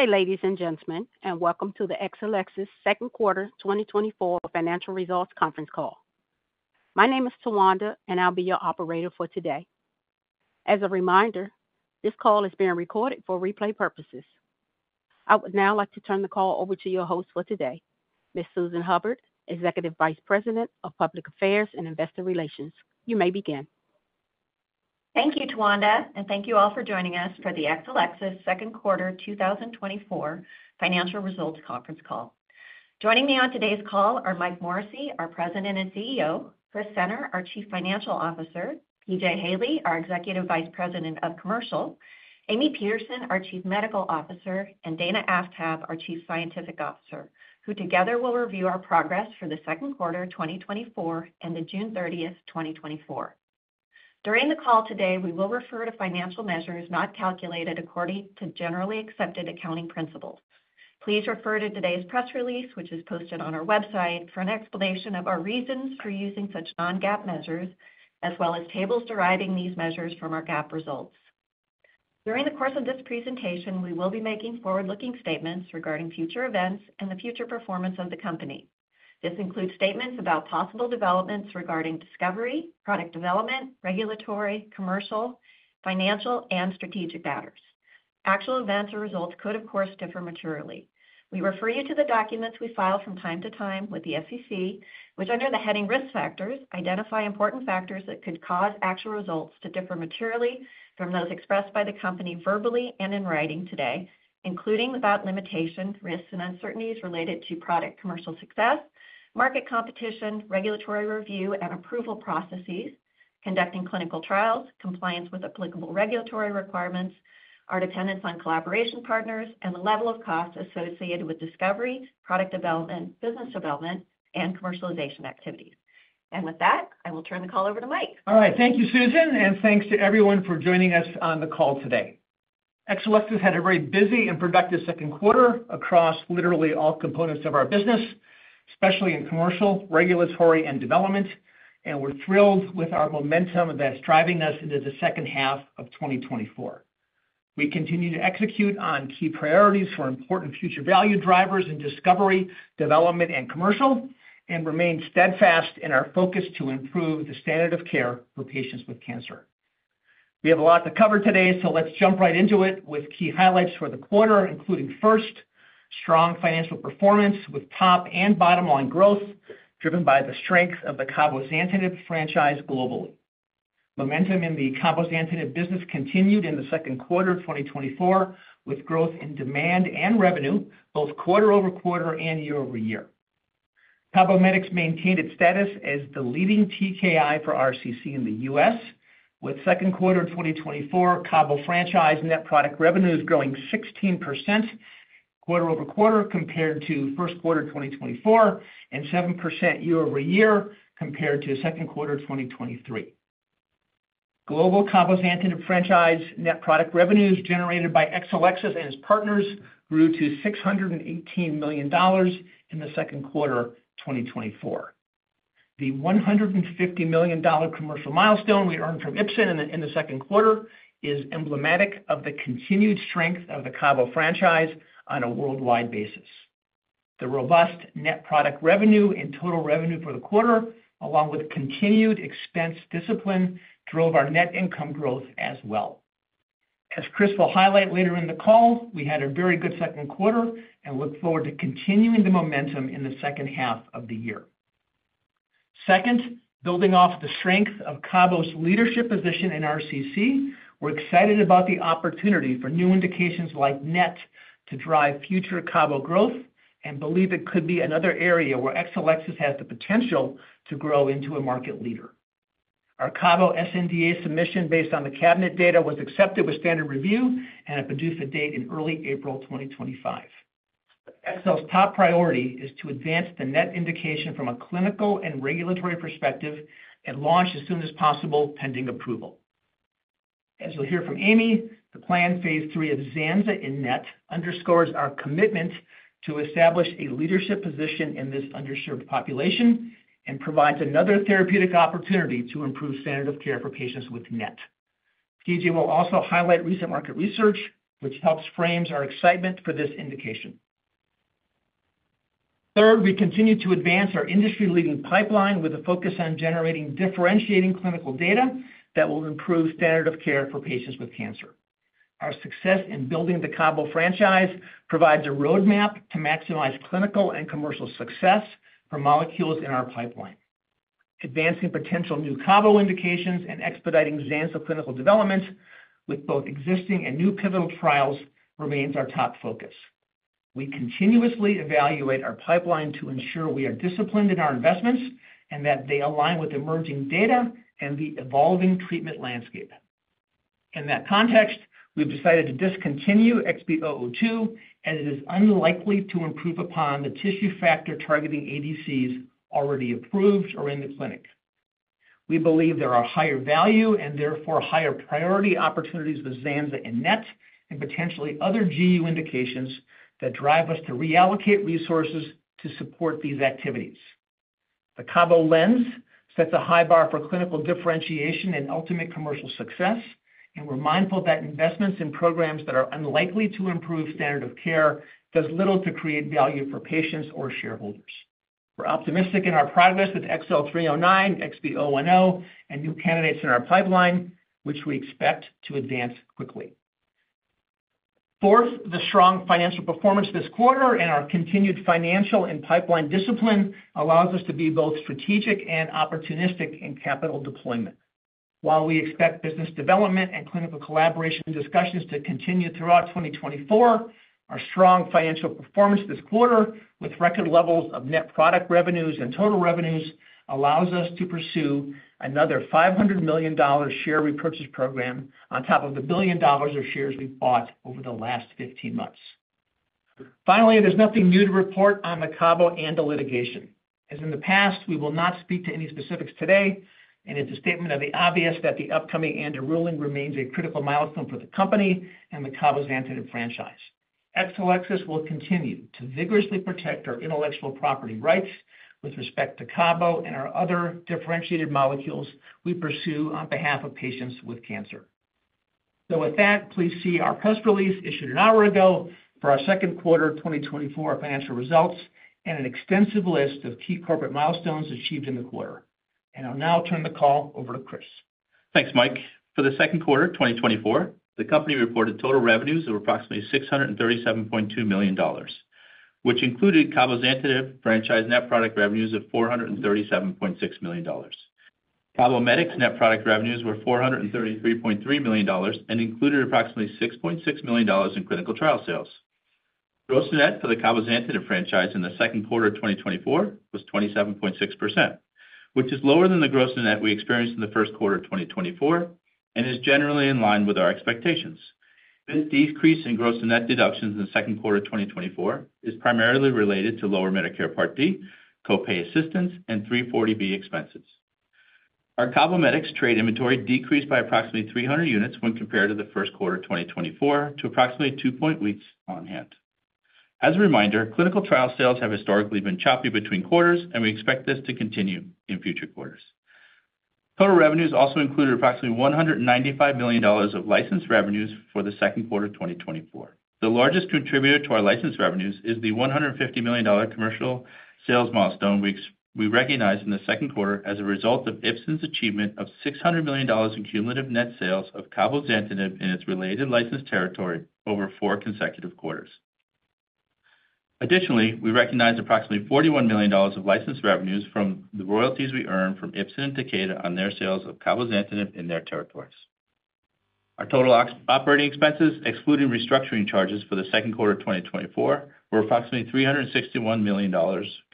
Good day, ladies and gentlemen, and welcome to the Exelixis Second Quarter 2024 Financial Results Conference Call. My name is Tawanda, and I'll be your operator for today. As a reminder, this call is being recorded for replay purposes. I would now like to turn the call over to your host for today, Ms. Susan Hubbard, Executive Vice President of Public Affairs and Investor Relations. You may begin. Thank you, Tawanda, and thank you all for joining us for the Exelixis Second Quarter 2024 Financial Results Conference Call. Joining me on today's call are Mike Morrissey, our President and CEO; Chris Senner, our Chief Financial Officer; P.J. Haley, our Executive Vice President of Commercial; Amy Peterson, our Chief Medical Officer; and Dana Aftab, our Chief Scientific Officer, who together will review our progress for the second quarter 2024 and the June 30, 2024. During the call today, we will refer to financial measures not calculated according to generally accepted accounting principles. Please refer to today's press release, which is posted on our website, for an explanation of our reasons for using such non-GAAP measures, as well as tables deriving these measures from our GAAP results. During the course of this presentation, we will be making forward-looking statements regarding future events and the future performance of the company. This includes statements about possible developments regarding discovery, product development, regulatory, commercial, financial, and strategic matters. Actual events or results could, of course, differ materially. We refer you to the documents we file from time to time with the SEC, which, under the heading Risk Factors, identify important factors that could cause actual results to differ materially from those expressed by the company verbally and in writing today, including, without limitation, risks and uncertainties related to product commercial success, market competition, regulatory review and approval processes, conducting clinical trials, compliance with applicable regulatory requirements, our dependence on collaboration partners, and the level of costs associated with discovery, product development, business development, and commercialization activities. With that, I will turn the call over to Mike. All right. Thank you, Susan, and thanks to everyone for joining us on the call today. Exelixis had a very busy and productive second quarter across literally all components of our business, especially in commercial, regulatory, and development, and we're thrilled with our momentum that's driving us into the second half of 2024. We continue to execute on key priorities for important future value drivers in discovery, development, and commercial, and remain steadfast in our focus to improve the standard of care for patients with cancer. We have a lot to cover today, so let's jump right into it with key highlights for the quarter, including, first, strong financial performance with top and bottom-line growth, driven by the strength of the cabozantinib franchise globally. Momentum in the cabozantinib business continued in the second quarter of 2024, with growth in demand and revenue both quarter-over-quarter and year-over-year. CABOMETYX maintained its status as the leading TKI for RCC in the US, with second quarter 2024 cabo franchise net product revenues growing 16% quarter-over-quarter, compared to first quarter 2024, and 7% year-over-year, compared to second quarter 2023. Global cabozantinib franchise net product revenues generated by Exelixis and its partners grew to $618 million in the second quarter 2024. The $150 million commercial milestone we earned from Ipsen in the second quarter is emblematic of the continued strength of the cabo franchise on a worldwide basis. The robust net product revenue and total revenue for the quarter, along with continued expense discipline, drove our net income growth as well. As Chris will highlight later in the call, we had a very good second quarter and look forward to continuing the momentum in the second half of the year. Second, building off the strength of Cabo's leadership position in RCC, we're excited about the opportunity for new indications like NET to drive future Cabo growth and believe it could be another area where Exelixis has the potential to grow into a market leader. Our Cabo sNDA submission based on the CABINET data was accepted with standard review and a PDUFA date in early April 2025. Exel's top priority is to advance the NET indication from a clinical and regulatory perspective and launch as soon as possible, pending approval. As you'll hear from Amy, the planned phase three of Zanza in NET underscores our commitment to establish a leadership position in this underserved population and provides another therapeutic opportunity to improve standard of care for patients with NET. PJ will also highlight recent market research, which helps frame our excitement for this indication. Third, we continue to advance our industry-leading pipeline with a focus on generating differentiating clinical data that will improve standard of care for patients with cancer. Our success in building the Cabo franchise provides a roadmap to maximize clinical and commercial success for molecules in our pipeline. Advancing potential new Cabo indications and expediting Zanza clinical development with both existing and new pivotal trials remains our top focus. We continuously evaluate our pipeline to ensure we are disciplined in our investments and that they align with emerging data and the evolving treatment landscape. In that context, we've decided to discontinue XB002, as it is unlikely to improve upon the tissue factor targeting ADCs already approved or in the clinic. We believe there are higher value and therefore higher priority opportunities with Zanza and NET, and potentially other GU indications, that drive us to reallocate resources to support these activities.... The CABO lens sets a high bar for clinical differentiation and ultimate commercial success, and we're mindful that investments in programs that are unlikely to improve standard of care does little to create value for patients or shareholders. We're optimistic in our progress with XL309, XB010, and new candidates in our pipeline, which we expect to advance quickly. Fourth, the strong financial performance this quarter and our continued financial and pipeline discipline allows us to be both strategic and opportunistic in capital deployment. While we expect business development and clinical collaboration discussions to continue throughout 2024, our strong financial performance this quarter, with record levels of net product revenues and total revenues, allows us to pursue another $500 million share repurchase program on top of the $1 billion of shares we've bought over the last 15 months. Finally, there's nothing new to report on the CABO ANDA litigation. As in the past, we will not speak to any specifics today, and it's a statement of the obvious that the upcoming ANDA ruling remains a critical milestone for the company and the cabozantinib franchise. Exelixis will continue to vigorously protect our intellectual property rights with respect to CABO and our other differentiated molecules we pursue on behalf of patients with cancer. With that, please see our press release issued an hour ago for our second quarter 2024 financial results and an extensive list of key corporate milestones achieved in the quarter. I'll now turn the call over to Chris. Thanks, Mike. For the second quarter of 2024, the company reported total revenues of approximately $637.2 million, which included cabozantinib franchise net product revenues of $437.6 million. CABOMETYX net product revenues were $433.3 million and included approximately $6.6 million in clinical trial sales. Gross-to-net for the cabozantinib franchise in the second quarter of 2024 was 27.6%, which is lower than the gross net we experienced in the first quarter of 2024 and is generally in line with our expectations. This decrease in gross and net deductions in the second quarter of 2024 is primarily related to lower Medicare Part D, copay assistance, and 340B expenses. Our CABOMETYX trade inventory decreased by approximately 300 units when compared to the first quarter of 2024, to approximately two weeks on hand. As a reminder, clinical trial sales have historically been choppy between quarters, and we expect this to continue in future quarters. Total revenues also included approximately $195 million of licensed revenues for the second quarter of 2024. The largest contributor to our licensed revenues is the $150 million commercial sales milestone we recognized in the second quarter as a result of Ipsen's achievement of $600 million in cumulative net sales of cabozantinib in its related licensed territory over four consecutive quarters. Additionally, we recognized approximately $41 million of licensed revenues from the royalties we earned from Ipsen and Takeda on their sales of cabozantinib in their territories. Our total operating expenses, excluding restructuring charges for the second quarter of 2024, were approximately $361 million,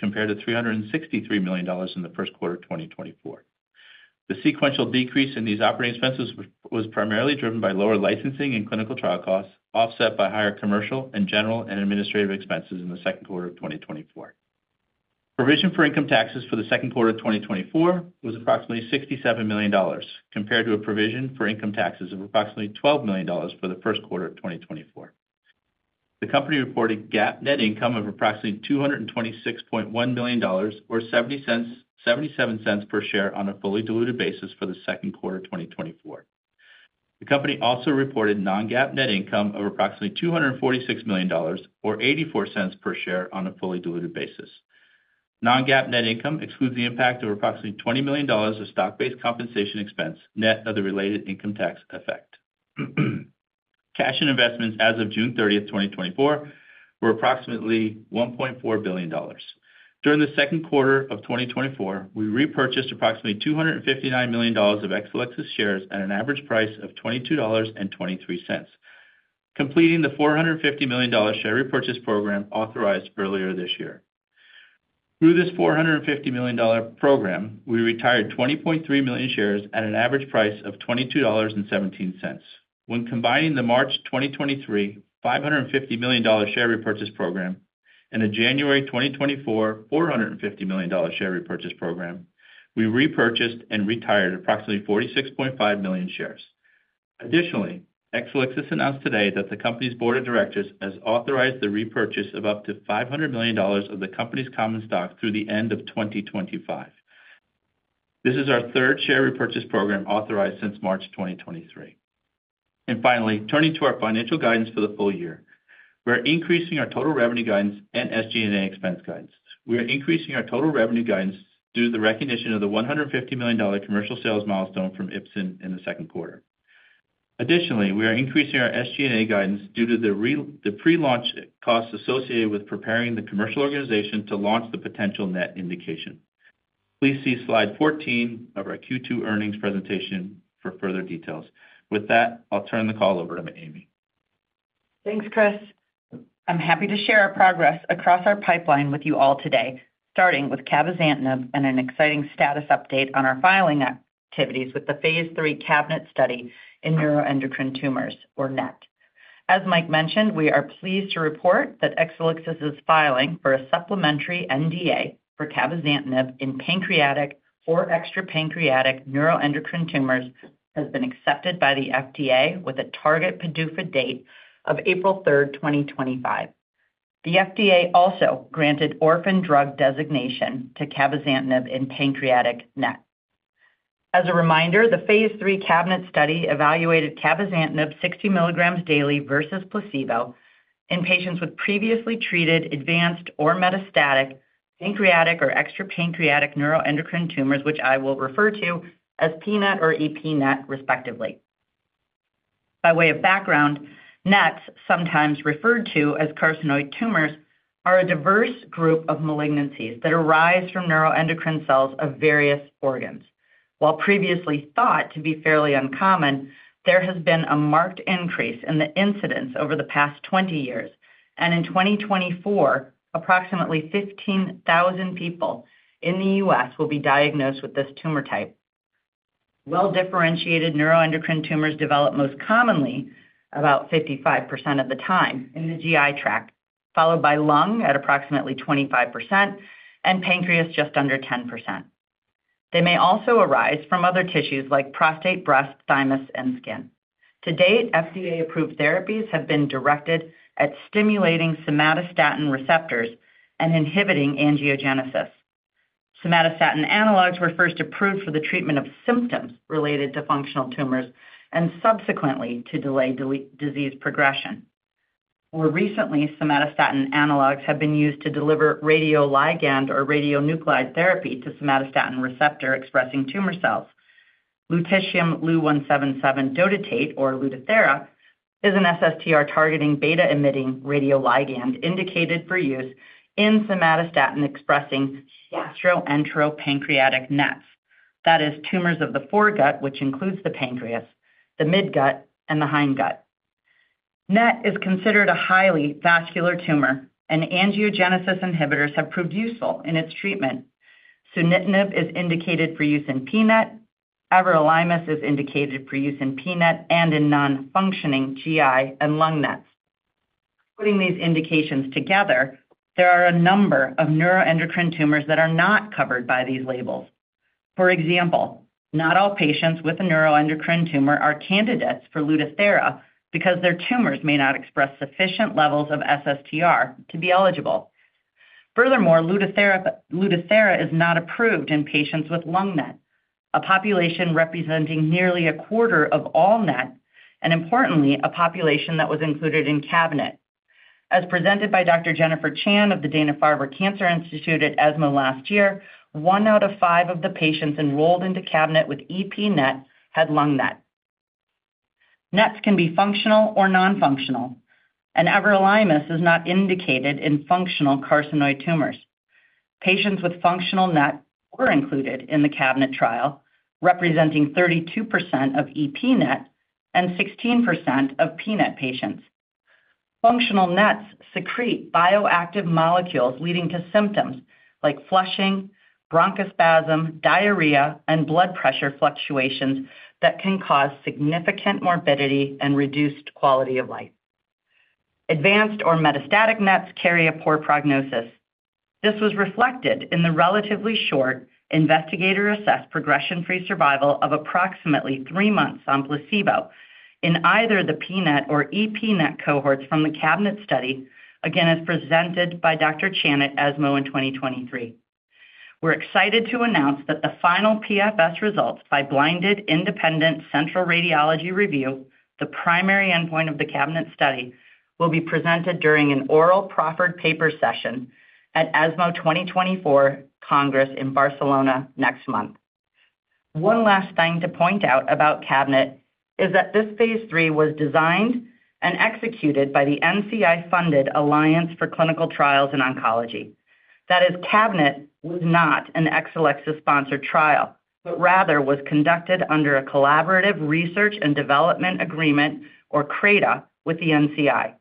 compared to $363 million in the first quarter of 2024. The sequential decrease in these operating expenses was primarily driven by lower licensing and clinical trial costs, offset by higher commercial and general and administrative expenses in the second quarter of 2024. Provision for income taxes for the second quarter of 2024 was approximately $67 million, compared to a provision for income taxes of approximately $12 million for the first quarter of 2024. The company reported GAAP net income of approximately $226.1 million, or $0.77 per share on a fully diluted basis for the second quarter of 2024. The company also reported non-GAAP net income of approximately $246 million or 84 cents per share on a fully diluted basis. Non-GAAP net income excludes the impact of approximately $20 million of stock-based compensation expense, net of the related income tax effect. Cash and investments as of June 30, 2024, were approximately $1.4 billion. During the second quarter of 2024, we repurchased approximately $259 million of Exelixis shares at an average price of $22.23, completing the $450 million share repurchase program authorized earlier this year. Through this $450 million program, we retired 20.3 million shares at an average price of $22.17. When combining the March 2023 $550 million share repurchase program and a January 2024 $450 million share repurchase program, we repurchased and retired approximately 46.5 million shares. Additionally, Exelixis announced today that the company's board of directors has authorized the repurchase of up to $500 million of the company's common stock through the end of 2025. This is our third share repurchase program authorized since March 2023. And finally, turning to our financial guidance for the full year. We are increasing our total revenue guidance and SG&A expense guidance. We are increasing our total revenue guidance due to the recognition of the $150 million commercial sales milestone from Ipsen in the second quarter. Additionally, we are increasing our SG&A guidance due to the pre-launch costs associated with preparing the commercial organization to launch the potential NET indication. Please see slide 14 of our Q2 earnings presentation for further details. With that, I'll turn the call over to Amy. Thanks, Chris. I'm happy to share our progress across our pipeline with you all today, starting with cabozantinib and an exciting status update on our filing activities with the phase 3 CABINET study in neuroendocrine tumors, or NET. As Mike mentioned, we are pleased to report that Exelixis's filing for a supplementary NDA for cabozantinib in pancreatic or extrapancreatic neuroendocrine tumors has been accepted by the FDA with a target PDUFA date of April 3, 2025.... The FDA also granted orphan drug designation to cabozantinib in pancreatic NET. As a reminder, the Phase 3 CABINET study evaluated cabozantinib 60 milligrams daily versus placebo in patients with previously treated, advanced or metastatic pancreatic or extrapancreatic neuroendocrine tumors, which I will refer to as pNET or EP-NET respectively. By way of background, NET, sometimes referred to as carcinoid tumors, are a diverse group of malignancies that arise from neuroendocrine cells of various organs. While previously thought to be fairly uncommon, there has been a marked increase in the incidence over the past 20 years, and in 2024, approximately 15,000 people in the U.S. will be diagnosed with this tumor type. Well-differentiated neuroendocrine tumors develop most commonly, about 55% of the time, in the GI tract, followed by lung at approximately 25% and pancreas just under 10%. They may also arise from other tissues like prostate, breast, thymus, and skin. To date, FDA-approved therapies have been directed at stimulating somatostatin receptors and inhibiting angiogenesis. Somatostatin analogs were first approved for the treatment of symptoms related to functional tumors and subsequently to delay disease progression. More recently, somatostatin analogs have been used to deliver radioligand or radionuclide therapy to somatostatin receptor expressing tumor cells. Lutetium Lu 177 dotatate, or Lutathera, is an SSTR targeting beta emitting radioligand indicated for use in somatostatin expressing gastroenteropancreatic NET, that is, tumors of the foregut, which includes the pancreas, the midgut, and the hindgut. NET is considered a highly vascular tumor, and angiogenesis inhibitors have proved useful in its treatment. Sunitinib is indicated for use in pNET. Everolimus is indicated for use in pNET and in non-functioning GI and lung NET. Putting these indications together, there are a number of neuroendocrine tumors that are not covered by these labels. For example, not all patients with a neuroendocrine tumor are candidates for Lutathera because their tumors may not express sufficient levels of SSTR to be eligible. Furthermore, Lutathera, Lutathera is not approved in patients with lung NET, a population representing nearly a quarter of all NET, and importantly, a population that was included in CABINET. As presented by Dr. Jennifer Chan of the Dana-Farber Cancer Institute at ESMO last year, one out of five of the patients enrolled into CABINET with EP-NET had lung NET. NET can be functional or non-functional, and everolimus is not indicated in functional carcinoid tumors. Patients with functional NET were included in the CABINET trial, representing 32% of EP-NET and 16% of pNET patients. Functional NETs secrete bioactive molecules, leading to symptoms like flushing, bronchospasm, diarrhea, and blood pressure fluctuations that can cause significant morbidity and reduced quality of life. Advanced or metastatic NETs carry a poor prognosis. This was reflected in the relatively short investigator-assessed progression-free survival of approximately three months on placebo in either the pNET or EP-NET cohorts from the CABINET study, again, as presented by Dr. Chan at ESMO in 2023. We're excited to announce that the final PFS results by blinded independent central radiology review, the primary endpoint of the CABINET study, will be presented during an oral proffered paper session at ESMO 2024 Congress in Barcelona next month. One last thing to point out about CABINET is that this phase three was designed and executed by the NCI-funded Alliance for Clinical Trials in Oncology. That is, CABINET was not an Exelixis-sponsored trial, but rather was conducted under a Collaborative Research and Development Agreement, or CRADA, with the NCI.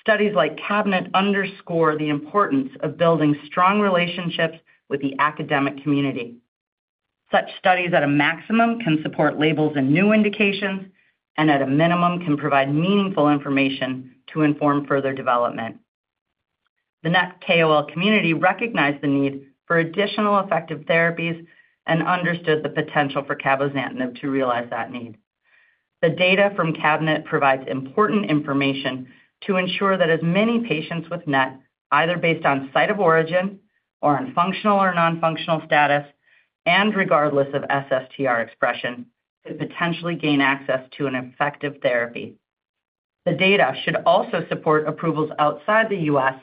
Studies like CABINET underscore the importance of building strong relationships with the academic community. Such studies, at a maximum, can support labels and new indications, and at a minimum, can provide meaningful information to inform further development. The NET KOL community recognized the need for additional effective therapies and understood the potential for cabozantinib to realize that need. The data from CABINET provides important information to ensure that as many patients with NET, either based on site of origin or on functional or non-functional status, and regardless of SSTR expression, could potentially gain access to an effective therapy. The data should also support approvals outside the US,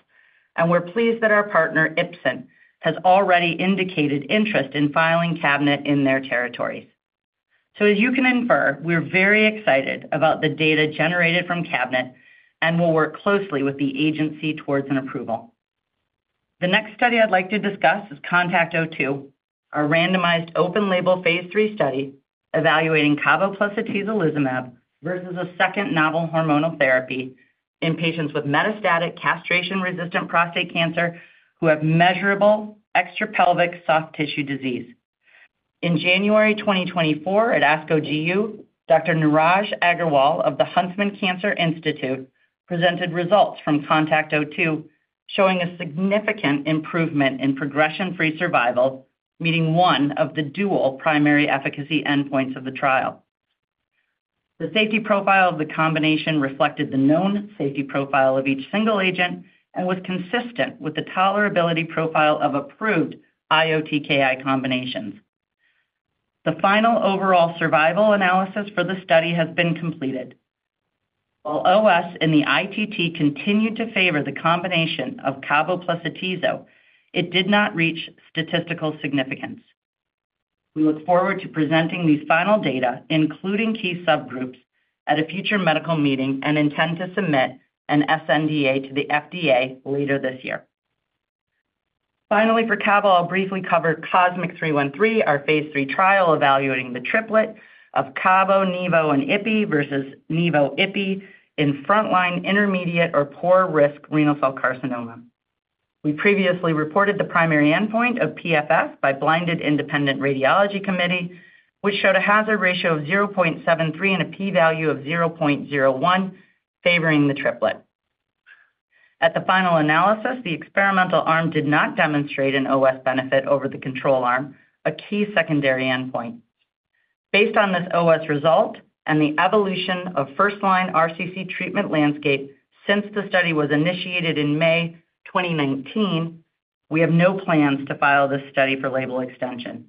and we're pleased that our partner, Ipsen, has already indicated interest in filing CABINET in their territories. So as you can infer, we're very excited about the data generated from CABINET and will work closely with the agency towards an approval. The next study I'd like to discuss is CONTACT-02, a randomized open label Phase 3 study evaluating cabo plus atezolizumab versus a second novel hormonal therapy in patients with metastatic castration-resistant prostate cancer who have measurable extrapelvic soft tissue disease. In January 2024 at ASCO GU, Dr. Niraj Agarwal of the Huntsman Cancer Institute presented results from CONTACT-02, showing a significant improvement in progression-free survival, meeting one of the dual primary efficacy endpoints of the trial. The safety profile of the combination reflected the known safety profile of each single agent and was consistent with the tolerability profile of approved IO TKI combinations. The final overall survival analysis for the study has been completed. While OS and the ITT continued to favor the combination of cabo plus atezo, it did not reach statistical significance. We look forward to presenting these final data, including key subgroups, at a future medical meeting and intend to submit an sNDA to the FDA later this year. Finally, for cabo, I'll briefly cover COSMIC-313, our phase 3 trial evaluating the triplet of cabo, nivo, and ipi versus nivo ipi in frontline intermediate or poor-risk renal cell carcinoma. We previously reported the primary endpoint of PFS by Blinded Independent Radiology Committee, which showed a hazard ratio of 0.73 and a p-value of 0.01, favoring the triplet. At the final analysis, the experimental arm did not demonstrate an OS benefit over the control arm, a key secondary endpoint. Based on this OS result and the evolution of first-line RCC treatment landscape since the study was initiated in May 2019, we have no plans to file this study for label extension.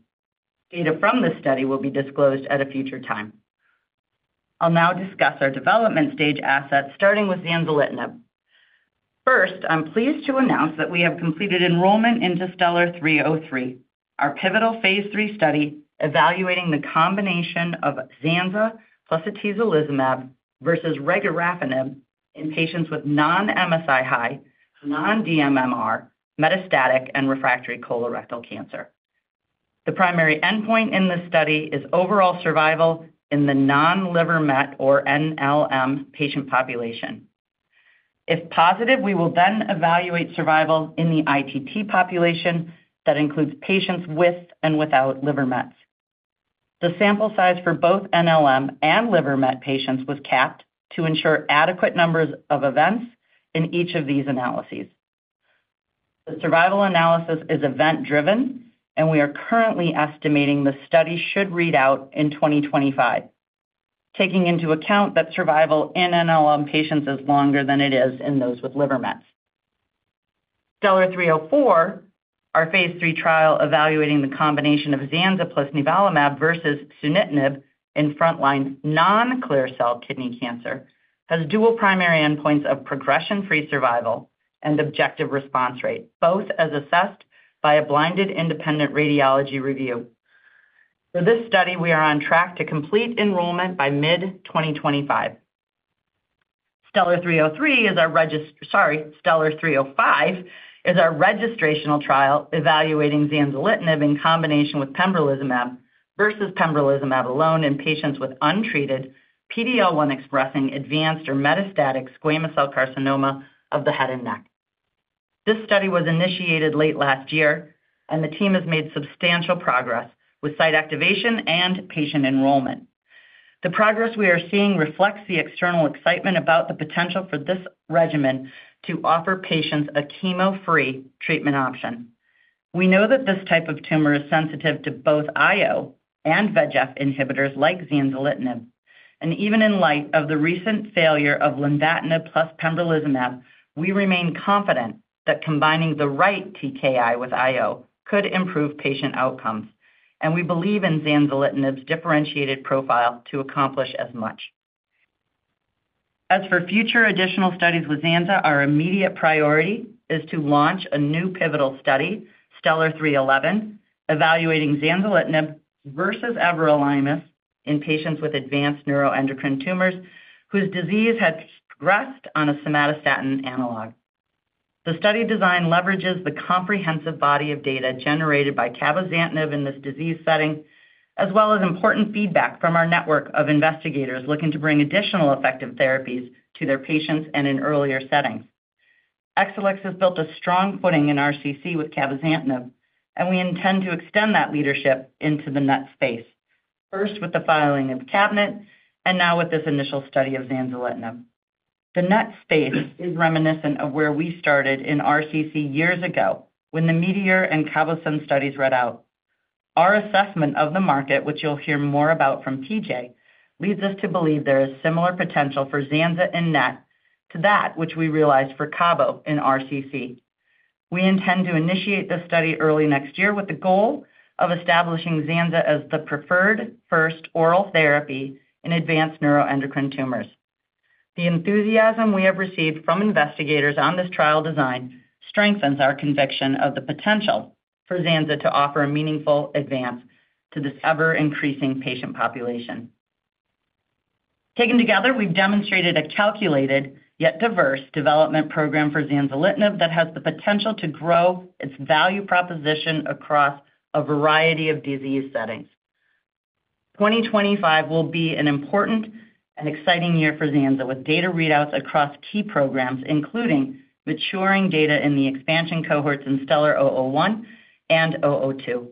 Data from this study will be disclosed at a future time. I'll now discuss our development stage assets, starting with zanzalintinib. First, I'm pleased to announce that we have completed enrollment into STELLAR-303, our pivotal phase 3 study evaluating the combination of Zanza plus atezolizumab versus regorafenib in patients with non-MSI-H, non-DMMR, metastatic and refractory colorectal cancer. The primary endpoint in this study is overall survival in the non-liver mets or NLM patient population. If positive, we will then evaluate survival in the ITT population that includes patients with and without liver mets. The sample size for both NLM and liver mets patients was capped to ensure adequate numbers of events in each of these analyses. The survival analysis is event-driven, and we are currently estimating the study should read out in 2025, taking into account that survival in NLM patients is longer than it is in those with liver mets. STELLAR-304, our phase 3 trial evaluating the combination of Zanza plus nivolumab versus sunitinib in frontline non-clear cell kidney cancer, has dual primary endpoints of progression-free survival and objective response rate, both as assessed by a blinded independent radiology review. For this study, we are on track to complete enrollment by mid-2025. STELLAR-303 is our regist... Sorry, STELLAR-305 is our registrational trial evaluating zanzalintinib in combination with pembrolizumab versus pembrolizumab alone in patients with untreated PD-L1 expressing advanced or metastatic squamous cell carcinoma of the head and neck. This study was initiated late last year, and the team has made substantial progress with site activation and patient enrollment. The progress we are seeing reflects the external excitement about the potential for this regimen to offer patients a chemo-free treatment option. We know that this type of tumor is sensitive to both IO and VEGF inhibitors like zanzalintinib, and even in light of the recent failure of lenvatinib plus pembrolizumab, we remain confident that combining the right TKI with IO could improve patient outcomes, and we believe in zanzalintinib's differentiated profile to accomplish as much. As for future additional studies with Zanza, our immediate priority is to launch a new pivotal study, STELLAR-311, evaluating zanzalintinib versus everolimus in patients with advanced neuroendocrine tumors whose disease has progressed on a somatostatin analog. The study design leverages the comprehensive body of data generated by cabozantinib in this disease setting, as well as important feedback from our network of investigators looking to bring additional effective therapies to their patients and in earlier settings. Exelixis has built a strong footing in RCC with cabozantinib, and we intend to extend that leadership into the NET space, first with the filing of CABINET and now with this initial study of zanzalintinib. The NET space is reminiscent of where we started in RCC years ago when the METEOR and CABOSUN studies read out. Our assessment of the market, which you'll hear more about from PJ, leads us to believe there is similar potential for zanza in NET to that which we realized for cabo in RCC. We intend to initiate this study early next year with the goal of establishing zanza as the preferred first oral therapy in advanced neuroendocrine tumors. The enthusiasm we have received from investigators on this trial design strengthens our conviction of the potential for zanza to offer a meaningful advance to this ever-increasing patient population. Taken together, we've demonstrated a calculated yet diverse development program for zanzalintinib that has the potential to grow its value proposition across a variety of disease settings. 2025 will be an important and exciting year for zanza, with data readouts across key programs, including maturing data in the expansion cohorts in STELLAR-001 and STELLAR-002.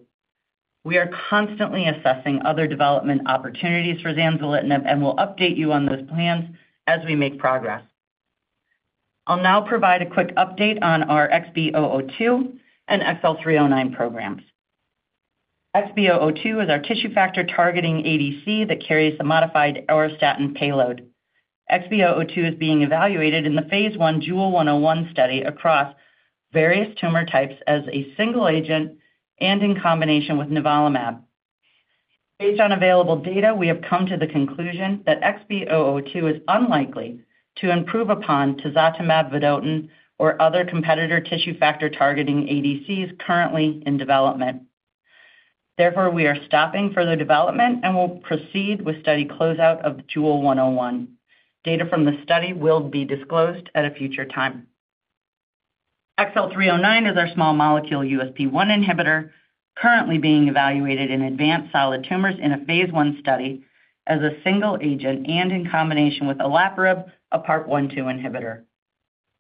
We are constantly assessing other development opportunities for zanzalintinib and will update you on those plans as we make progress. I'll now provide a quick update on our XB002 and XL309 programs. XB002 is our tissue factor targeting ADC that carries a modified auristatin payload. XB002 is being evaluated in the phase 1 JEWEL-101 study across various tumor types as a single agent and in combination with nivolumab. Based on available data, we have come to the conclusion that XB002 is unlikely to improve upon tisotumab vedotin or other competitor tissue factor targeting ADCs currently in development. Therefore, we are stopping further development, and we'll proceed with study closeout of JEWEL-101. Data from the study will be disclosed at a future time. XL309 is our small molecule USP1 inhibitor, currently being evaluated in advanced solid tumors in a phase I study as a single agent and in combination with olaparib, a PARP1/2 inhibitor.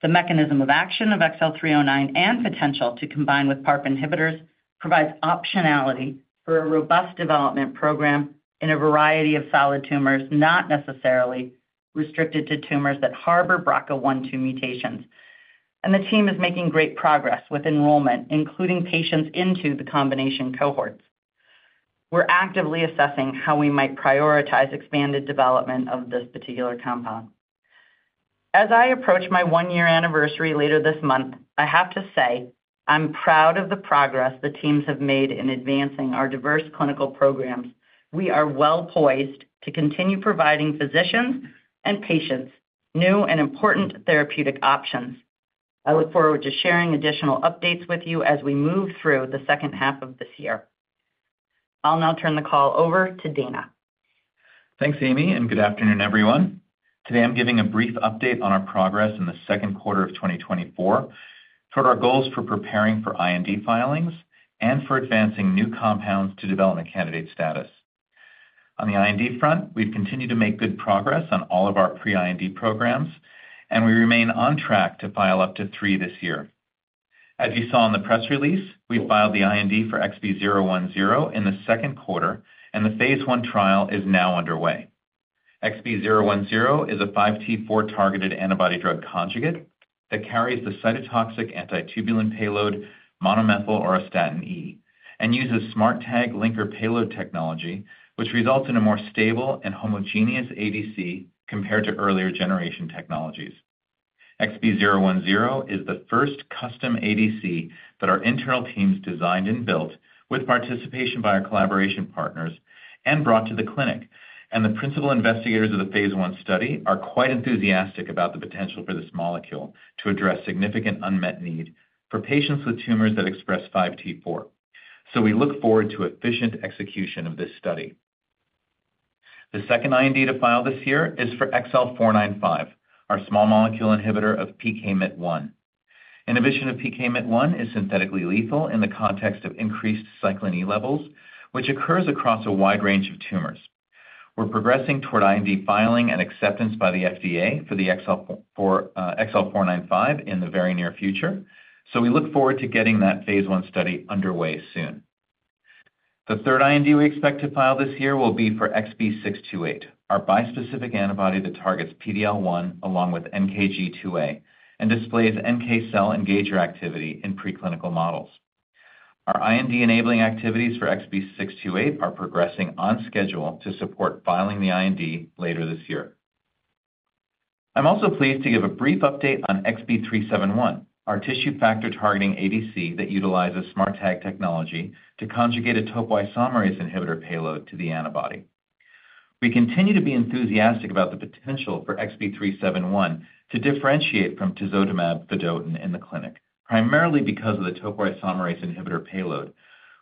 The mechanism of action of XL309 and potential to combine with PARP inhibitors provides optionality for a robust development program in a variety of solid tumors, not necessarily restricted to tumors that harbor BRCA 1/2 mutations. The team is making great progress with enrollment, including patients into the combination cohorts. We're actively assessing how we might prioritize expanded development of this particular compound. As I approach my one-year anniversary later this month, I have to say, I'm proud of the progress the teams have made in advancing our diverse clinical programs. We are well-poised to continue providing physicians and patients new and important therapeutic options. I look forward to sharing additional updates with you as we move through the second half of this year. I'll now turn the call over to Dana. Thanks, Amy, and good afternoon, everyone. Today, I'm giving a brief update on our progress in the second quarter of 2024 toward our goals for preparing for IND filings and for advancing new compounds to development candidate status. On the IND front, we've continued to make good progress on all of our pre-IND programs, and we remain on track to file up to three this year. As you saw in the press release, we filed the IND for XB010 in the second quarter, and the phase I trial is now underway. XB010 is a 5T4-targeted antibody drug conjugate that carries the cytotoxic antitubulin payload, monomethyl auristatin E, and uses smart tag linker payload technology, which results in a more stable and homogeneous ADC compared to earlier generation technologies. XB010 is the first custom ADC that our internal teams designed and built with participation by our collaboration partners and brought to the clinic. The principal investigators of the phase I study are quite enthusiastic about the potential for this molecule to address significant unmet need for patients with tumors that express 5T4. We look forward to efficient execution of this study. The second IND to file this year is for XL495, our small molecule inhibitor of PKMYT1. Inhibition of PKMYT1 is synthetically lethal in the context of increased cyclin E levels, which occurs across a wide range of tumors. We're progressing toward IND filing and acceptance by the FDA for XL495 in the very near future, so we look forward to getting that phase I study underway soon. The third IND we expect to file this year will be for XB628, our bispecific antibody that targets PD-L1 along with NKG2A and displays NK cell engager activity in preclinical models. Our IND enabling activities for XB628 are progressing on schedule to support filing the IND later this year. I'm also pleased to give a brief update on XB371, our tissue factor targeting ADC that utilizes smart tag technology to conjugate a topoisomerase inhibitor payload to the antibody. We continue to be enthusiastic about the potential for XB371 to differentiate from tisotumab vedotin in the clinic, primarily because of the topoisomerase inhibitor payload,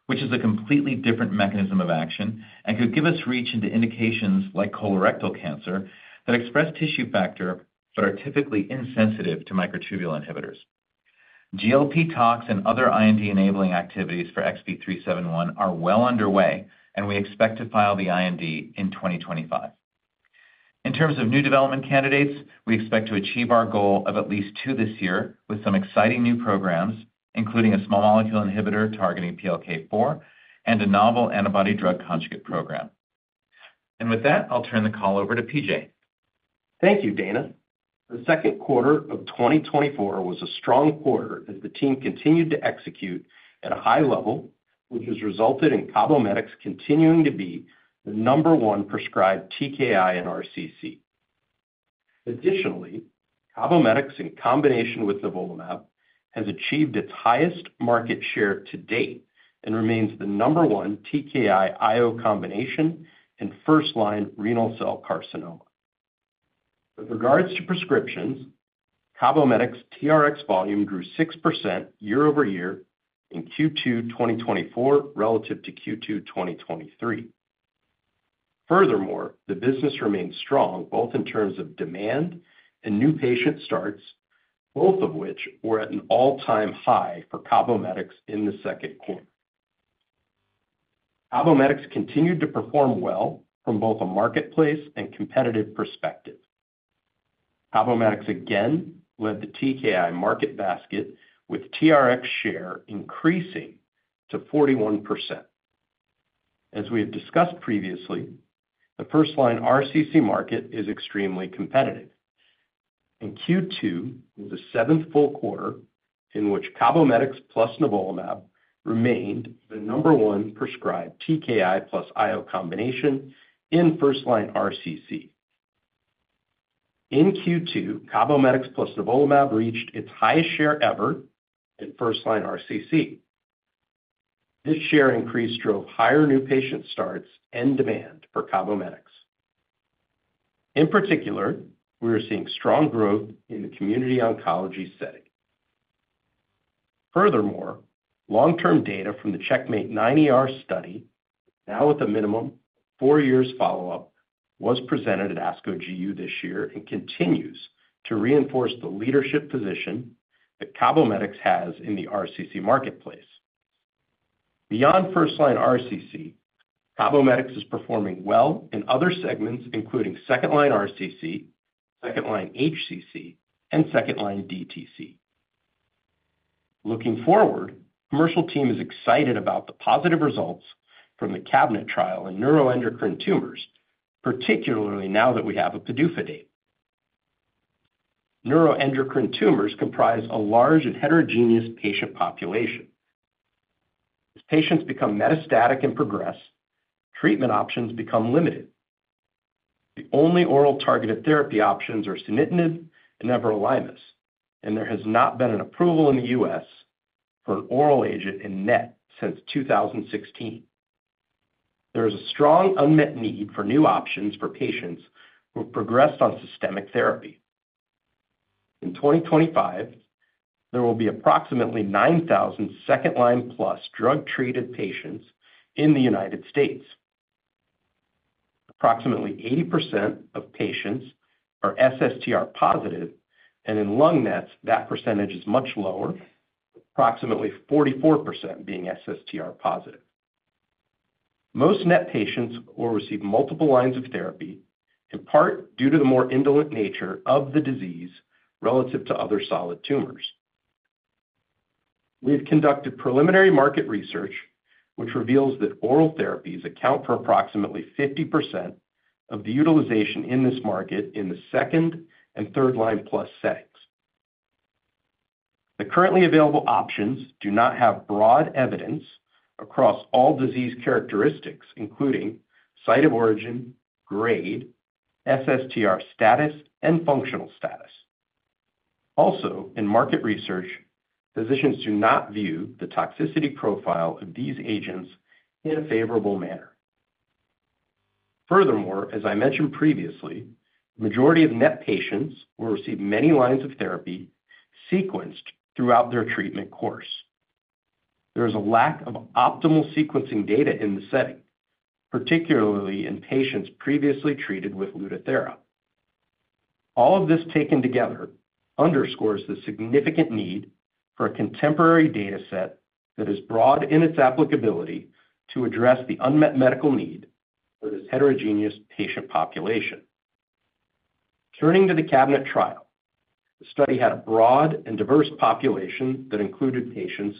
which is a completely different mechanism of action and could give us reach into indications like colorectal cancer that express tissue factor but are typically insensitive to microtubule inhibitors. GLP talks and other IND enabling activities for XB371 are well underway, and we expect to file the IND in 2025. In terms of new development candidates, we expect to achieve our goal of at least two this year with some exciting new programs, including a small molecule inhibitor targeting PLK4 and a novel antibody-drug conjugate program. With that, I'll turn the call over to PJ. Thank you, Dana. The second quarter of 2024 was a strong quarter as the team continued to execute at a high level, which has resulted in CABOMETYX continuing to be the number one prescribed TKI in RCC. Additionally, CABOMETYX, in combination with nivolumab, has achieved its highest market share to date and remains the number one TKI IO combination in first-line renal cell carcinoma. With regards to prescriptions, CABOMETYX TRx volume grew 6% year-over-year in Q2 2024 relative to Q2 2023. Furthermore, the business remains strong both in terms of demand and new patient starts, both of which were at an all-time high for CABOMETYX in the second quarter. CABOMETYX continued to perform well from both a marketplace and competitive perspective. CABOMETYX again led the TKI market basket, with TRx share increasing to 41%. As we have discussed previously, the first-line RCC market is extremely competitive. In Q2, was the seventh full quarter in which CABOMETYX plus nivolumab remained the number one prescribed TKI plus IO combination in first-line RCC. In Q2, CABOMETYX plus nivolumab reached its highest share ever in first-line RCC. This share increase drove higher new patient starts and demand for CABOMETYX. In particular, we are seeing strong growth in the community oncology setting. Furthermore, long-term data from the CheckMate 9ER study, now with a minimum four years follow-up, was presented at ASCO GU this year and continues to reinforce the leadership position that CABOMETYX has in the RCC marketplace. Beyond first-line RCC, CABOMETYX is performing well in other segments, including second-line RCC, second-line HCC, and second-line DTC. Looking forward, commercial team is excited about the positive results from the CABINET trial in neuroendocrine tumors, particularly now that we have a PDUFA date. Neuroendocrine tumors comprise a large and heterogeneous patient population. As patients become metastatic and progress, treatment options become limited. The only oral targeted therapy options are sunitinib and everolimus, and there has not been an approval in the U.S. for an oral agent in NET since 2016. There is a strong unmet need for new options for patients who have progressed on systemic therapy. In 2025, there will be approximately 9,000 second-line plus drug-treated patients in the United States. Approximately 80% of patients are SSTR positive, and in lung NET, that percentage is much lower, approximately 44% being SSTR positive. Most NET patients will receive multiple lines of therapy, in part due to the more indolent nature of the disease relative to other solid tumors. We have conducted preliminary market research, which reveals that oral therapies account for approximately 50% of the utilization in this market in the second- and third-line plus settings. The currently available options do not have broad evidence across all disease characteristics, including site of origin, grade, SSTR status, and functional status. Also, in market research, physicians do not view the toxicity profile of these agents in a favorable manner. Furthermore, as I mentioned previously, the majority of NET patients will receive many lines of therapy sequenced throughout their treatment course. There is a lack of optimal sequencing data in the setting, particularly in patients previously treated with Lutathera. All of this taken together underscores the significant need for a contemporary data set that is broad in its applicability to address the unmet medical need for this heterogeneous patient population. Turning to the CABINET trial, the study had a broad and diverse population that included patients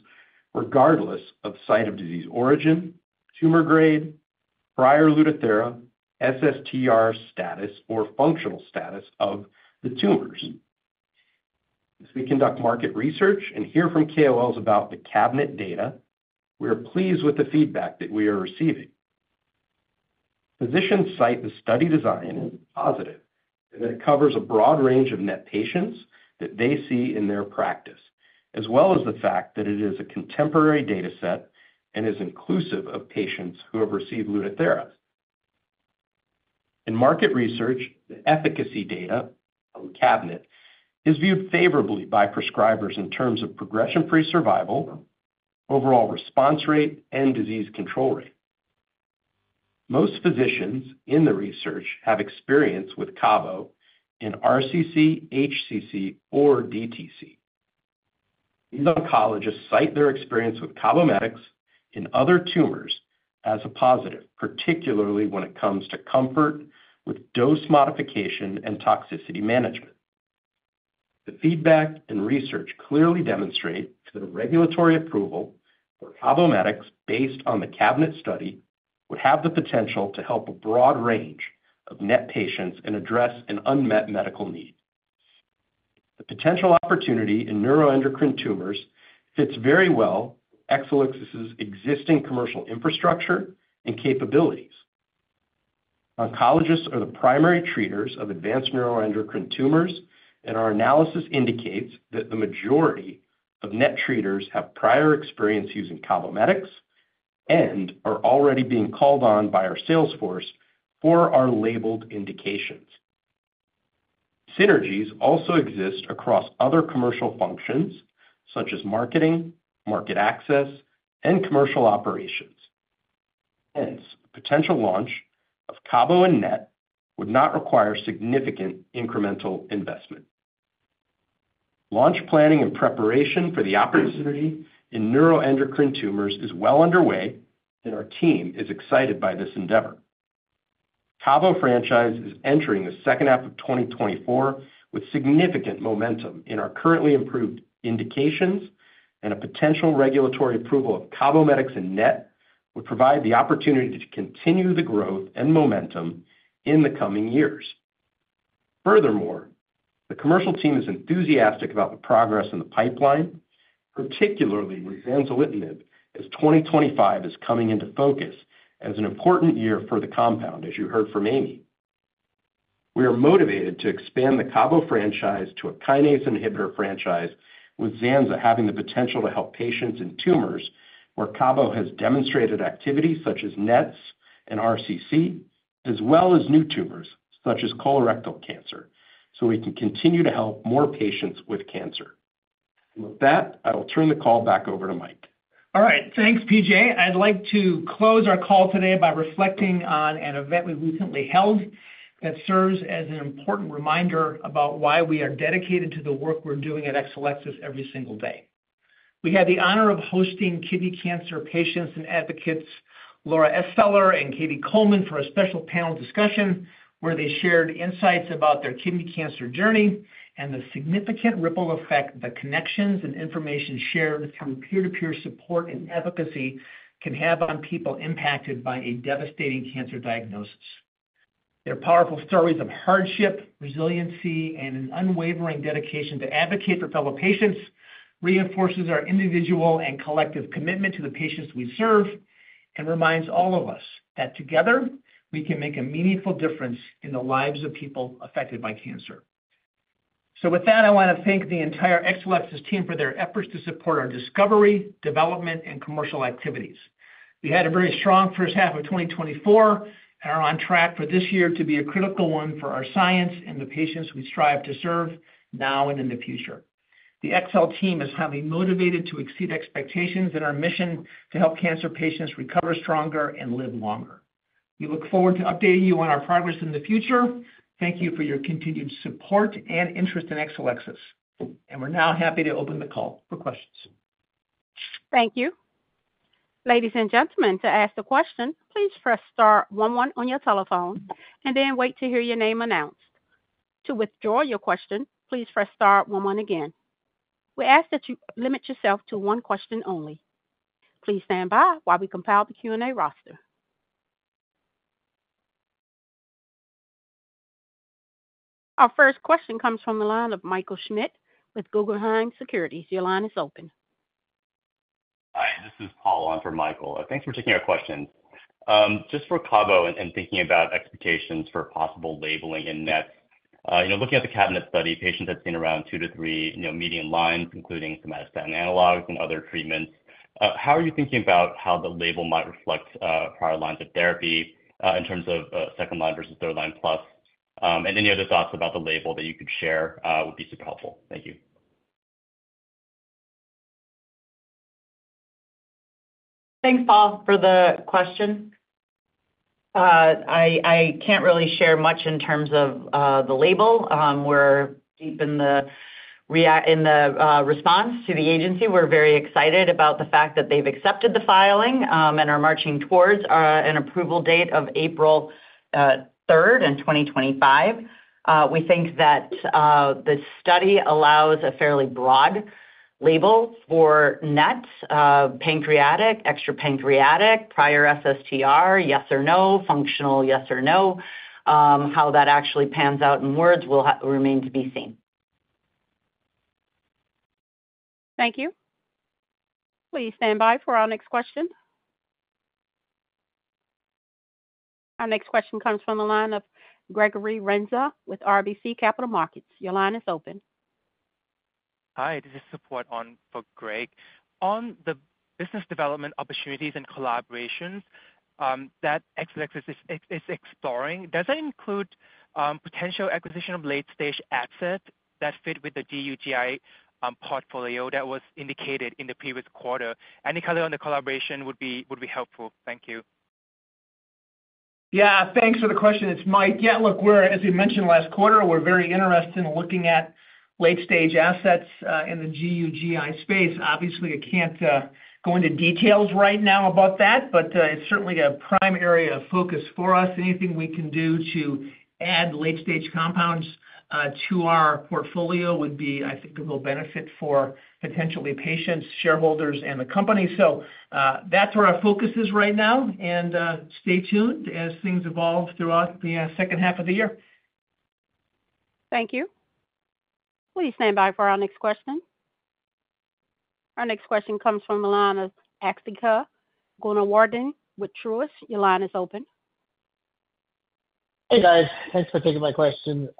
regardless of site of disease origin, tumor grade, prior Lutathera, SSTR status, or functional status of the tumors. As we conduct market research and hear from KOLs about the CABINET data, we are pleased with the feedback that we are receiving. Physicians cite the study design as positive, and that it covers a broad range of NET patients that they see in their practice, as well as the fact that it is a contemporary data set and is inclusive of patients who have received Lutathera. In market research, the efficacy data from CABINET is viewed favorably by prescribers in terms of progression-free survival, overall response rate, and disease control rate. Most physicians in the research have experience with CABO in RCC, HCC, or DTC. These oncologists cite their experience with CABOMETYX in other tumors as a positive, particularly when it comes to comfort with dose modification and toxicity management. The feedback and research clearly demonstrate that a regulatory approval for CABOMETYX based on the CABINET study would have the potential to help a broad range of NET patients and address an unmet medical need. The potential opportunity in neuroendocrine tumors fits very well with Exelixis' existing commercial infrastructure and capabilities. Oncologists are the primary treaters of advanced neuroendocrine tumors, and our analysis indicates that the majority of NET treaters have prior experience using CABOMETYX and are already being called on by our sales force for our labeled indications. Synergies also exist across other commercial functions such as marketing, market access, and commercial operations. Hence, the potential launch of CABO and NET would not require significant incremental investment. Launch planning and preparation for the opportunity in neuroendocrine tumors is well underway, and our team is excited by this endeavor. CABO franchise is entering the second half of 2024 with significant momentum in our currently approved indications, and a potential regulatory approval of CABOMETYX in NET will provide the opportunity to continue the growth and momentum in the coming years. Furthermore, the commercial team is enthusiastic about the progress in the pipeline, particularly with zanzalintinib, as 2025 is coming into focus as an important year for the compound, as you heard from Amy. We are motivated to expand the CABO franchise to a kinase inhibitor franchise, with Zanza having the potential to help patients in tumors where CABO has demonstrated activity, such as NETs and RCC, as well as new tumors such as colorectal cancer, so we can continue to help more patients with cancer. With that, I will turn the call back over to Mike. All right. Thanks, PJ. I'd like to close our call today by reflecting on an event we recently held that serves as an important reminder about why we are dedicated to the work we're doing at Exelixis every single day. We had the honor of hosting kidney cancer patients and advocates, Laura Esler and Katie Coleman, for a special panel discussion where they shared insights about their kidney cancer journey and the significant ripple effect the connections and information shared through peer-to-peer support and advocacy can have on people impacted by a devastating cancer diagnosis. Their powerful stories of hardship, resiliency, and an unwavering dedication to advocate for fellow patients reinforces our individual and collective commitment to the patients we serve, and reminds all of us that together, we can make a meaningful difference in the lives of people affected by cancer. So with that, I want to thank the entire Exelixis team for their efforts to support our discovery, development, and commercial activities. We had a very strong first half of 2024 and are on track for this year to be a critical one for our science and the patients we strive to serve now and in the future. The XL team is highly motivated to exceed expectations in our mission to help cancer patients recover stronger and live longer. We look forward to updating you on our progress in the future. Thank you for your continued support and interest in Exelixis, and we're now happy to open the call for questions. Thank you. Ladies and gentlemen, to ask a question, please press star one one on your telephone and then wait to hear your name announced. To withdraw your question, please press star one one again. We ask that you limit yourself to one question only. Please stand by while we compile the Q&A roster. Our first question comes from the line of Michael Schmidt with Guggenheim Securities. Your line is open. Hi, this is Paul on for Michael. Thanks for taking our question. Just for CABO and thinking about expectations for possible labeling in NET, you know, looking at the CABINET study, patients have seen around 2-3, you know, median lines, including somatostatin analogs and other treatments. How are you thinking about how the label might reflect prior lines of therapy in terms of second line versus third line plus? And any other thoughts about the label that you could share would be super helpful. Thank you. Thanks, Paul, for the question. I can't really share much in terms of the label. We're deep in the response to the agency. We're very excited about the fact that they've accepted the filing, and are marching towards an approval date of April 3, 2025. We think that the study allows a fairly broad label for NET, pancreatic, extra-pancreatic, prior SSTR, yes or no, functional, yes or no. How that actually pans out in words will remain to be seen. Thank you. Please stand by for our next question. Our next question comes from the line of Gregory Renza with RBC Capital Markets. Your line is open. Hi, this is support on for Greg. On the business development opportunities and collaborations that Exelixis is exploring, does that include potential acquisition of late stage assets that fit with the GU GI portfolio that was indicated in the previous quarter? Any color on the collaboration would be helpful. Thank you. Yeah, thanks for the question. It's Mike. Yeah, look, we're, as we mentioned last quarter, we're very interested in looking at late-stage assets in the GU GI space. Obviously, I can't go into details right now about that, but it's certainly a prime area of focus for us. Anything we can do to add late-stage compounds to our portfolio would be, I think, a real benefit for potentially patients, shareholders, and the company. So, that's where our focus is right now, and stay tuned as things evolve throughout the second half of the year. Thank you. Please stand by for our next question. Our next question comes from the line of Asthika Goonewardene with Truist. Your line is open. Hey, guys. Thanks for taking my question. Just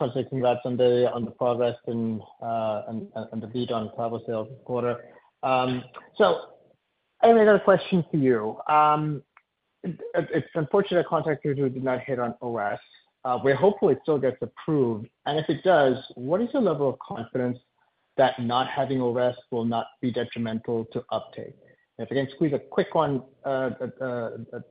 want to say congrats on the progress and on the beat on CABO sales this quarter. So Amy, I got a question for you. It's unfortunate that CONTACT-02 did not hit on OS, but hopefully it still gets approved. And if it does, what is your level of confidence that not having OS will not be detrimental to uptake? And if I can squeeze a quick one, a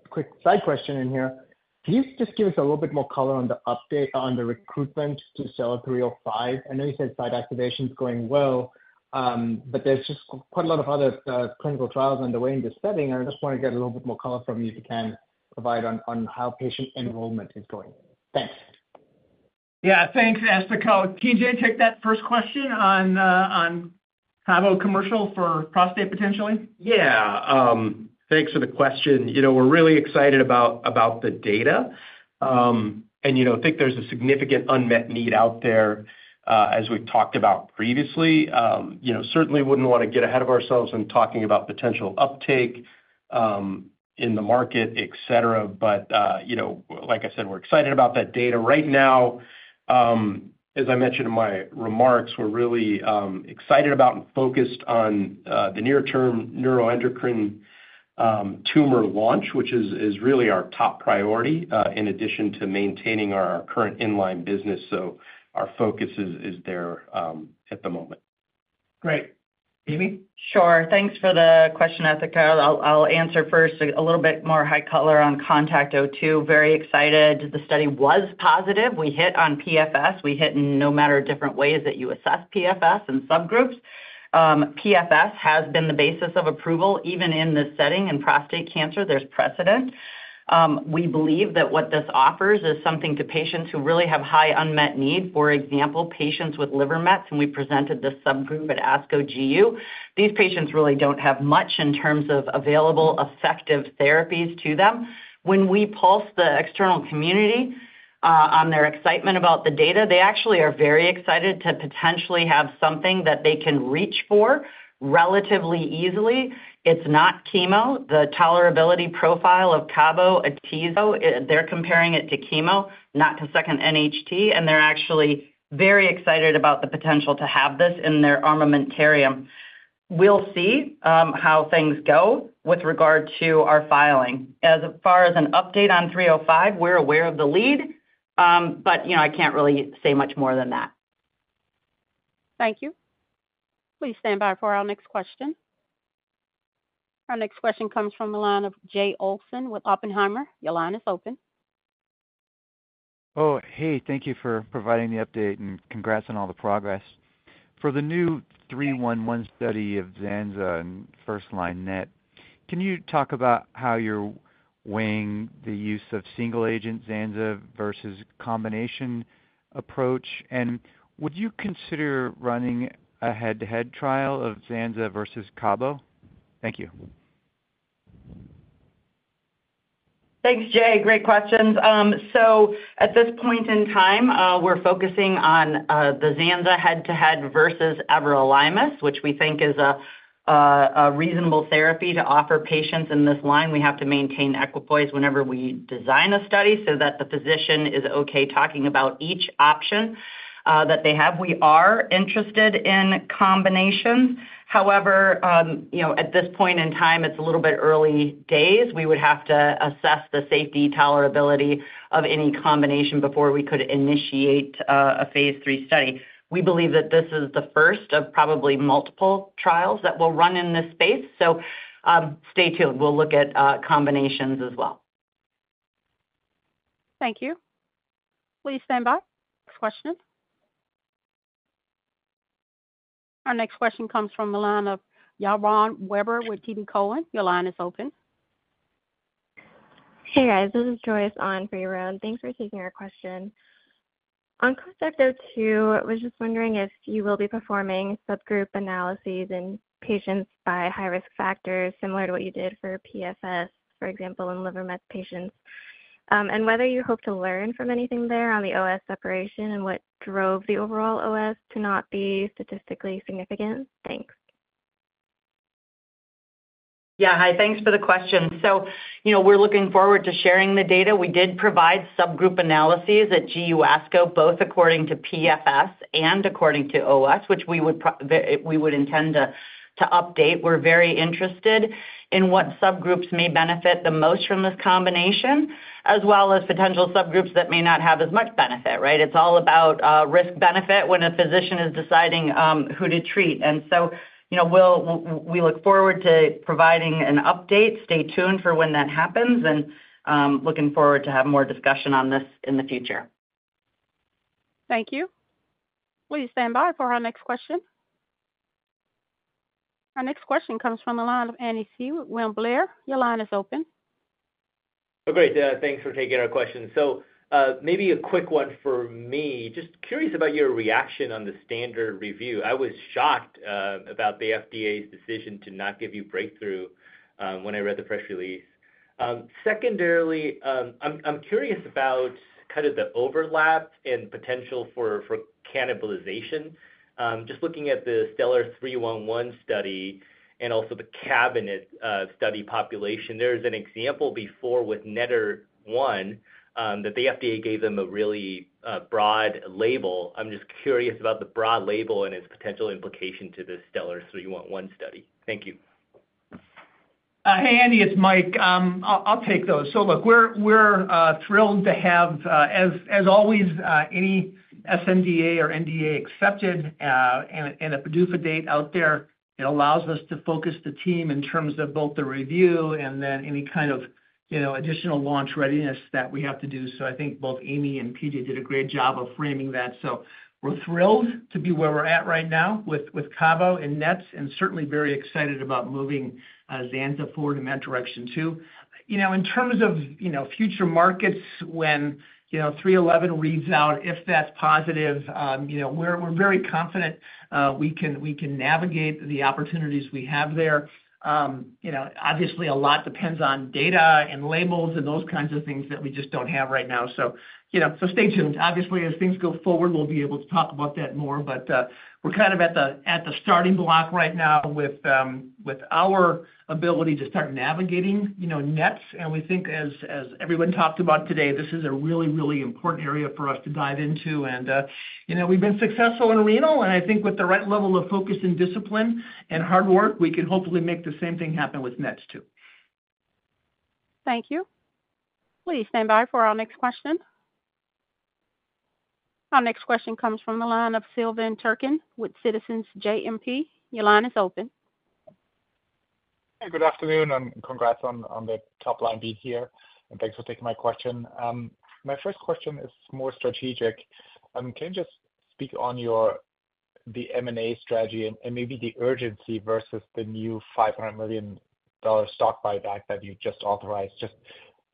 quick side question in here, can you just give us a little bit more color on the update on the recruitment to STELLAR-305? I know you said site activation is going well, but there's just quite a lot of other clinical trials underway in this setting, and I just want to get a little bit more color from you, if you can provide, on how patient enrollment is going. Thanks.... Yeah, thanks, Asthika. PJ, take that first question on Cabo commercial for prostate, potentially? Yeah, thanks for the question. You know, we're really excited about the data. And, you know, think there's a significant unmet need out there, as we've talked about previously. You know, certainly wouldn't want to get ahead of ourselves in talking about potential uptake in the market, et cetera. But, you know, like I said, we're excited about that data. Right now, as I mentioned in my remarks, we're really excited about and focused on the near term neuroendocrine tumor launch, which is really our top priority in addition to maintaining our current inline business. So our focus is there at the moment. Great. Amy? Sure. Thanks for the question, Asthika. I'll, I'll answer first a little bit more color on CONTACT-02. Very excited. The study was positive. We hit on PFS. We hit in no matter different ways that you assess PFS in subgroups. PFS has been the basis of approval, even in this setting, in prostate cancer, there's precedent. We believe that what this offers is something to patients who really have high unmet need. For example, patients with liver mets, and we presented this subgroup at ASCO GU. These patients really don't have much in terms of available effective therapies to them. When we polled the external community on their excitement about the data, they actually are very excited to potentially have something that they can reach for relatively easily. It's not chemo. The tolerability profile of cabo-atezo, they're comparing it to chemo, not to second NHT, and they're actually very excited about the potential to have this in their armamentarium. We'll see how things go with regard to our filing. As far as an update on 305, we're aware of the lead, but, you know, I can't really say much more than that. Thank you. Please stand by for our next question. Our next question comes from the line of Jay Olsen with Oppenheimer. Your line is open. Oh, hey, thank you for providing the update, and congrats on all the progress. For the new 311 study of Zanza in first-line NET, can you talk about how you're weighing the use of single-agent Zanza versus combination approach? And would you consider running a head-to-head trial of Zanza versus Cabo? Thank you. Thanks, Jay. Great questions. So at this point in time, we're focusing on the Zanza head-to-head versus everolimus, which we think is a reasonable therapy to offer patients in this line. We have to maintain equipoise whenever we design a study, so that the physician is okay talking about each option that they have. We are interested in combinations. However, you know, at this point in time, it's a little bit early days. We would have to assess the safety tolerability of any combination before we could initiate a phase III study. We believe that this is the first of probably multiple trials that will run in this space, so, stay tuned. We'll look at combinations as well. Thank you. Please stand by. Next question. Our next question comes from the line of Yaron Werber with TD Cowen. Your line is open. Hey, guys, this is Joyce on for Yaron. Thanks for taking our question. On CONTACT-02, I was just wondering if you will be performing subgroup analyses in patients by high risk factors, similar to what you did for PFS, for example, in liver mets patients? And whether you hope to learn from anything there on the OS separation, and what drove the overall OS to not be statistically significant? Thanks. Yeah, hi, thanks for the question. So, you know, we're looking forward to sharing the data. We did provide subgroup analyses at GU ASCO, both according to PFS and according to OS, which we would provide, we would intend to update. We're very interested in what subgroups may benefit the most from this combination, as well as potential subgroups that may not have as much benefit, right? It's all about risk-benefit when a physician is deciding who to treat. And so, you know, we'll, we look forward to providing an update. Stay tuned for when that happens, and looking forward to have more discussion on this in the future. Thank you. Please stand by for our next question. Our next question comes from the line of Andy Hsieh with William Blair. Your line is open. Oh, great, thanks for taking our question. So, maybe a quick one for me. Just curious about your reaction on the standard review. I was shocked about the FDA's decision to not give you breakthrough when I read the press release. Secondarily, I'm curious about kind of the overlap and potential for cannibalization. Just looking at the STELLAR-311 study and also the CABINET study population, there is an example before with NETTER-1 that the FDA gave them a really broad label. I'm just curious about the broad label and its potential implication to this STELLAR-311 study. Thank you. Hey, Andy, it's Mike. I'll take those. So look, we're thrilled to have, as always, any-... sNDA or NDA accepted, and a PDUFA date out there, it allows us to focus the team in terms of both the review and then any kind of, you know, additional launch readiness that we have to do. So I think both Amy and PJ did a great job of framing that. So we're thrilled to be where we're at right now with CABO and NETS, and certainly very excited about moving Zanza forward in that direction too. You know, in terms of, you know, future markets, when, you know, 311 reads out, if that's positive, you know, we're very confident we can navigate the opportunities we have there. You know, obviously, a lot depends on data and labels and those kinds of things that we just don't have right now. So, you know, so stay tuned. Obviously, as things go forward, we'll be able to talk about that more. But, we're kind of at the starting block right now with our ability to start navigating, you know, NETS. And we think as everyone talked about today, this is a really, really important area for us to dive into. And, you know, we've been successful in renal, and I think with the right level of focus and discipline and hard work, we can hopefully make the same thing happen with NETS, too. Thank you. Please stand by for our next question. Our next question comes from the line of Silvan Tuerkcan with Citizens JMP. Your line is open. Hi, good afternoon, and congrats on the top line beat here, and thanks for taking my question. My first question is more strategic. Can you just speak on your—the M&A strategy and maybe the urgency versus the new $500 million stock buyback that you just authorized? Just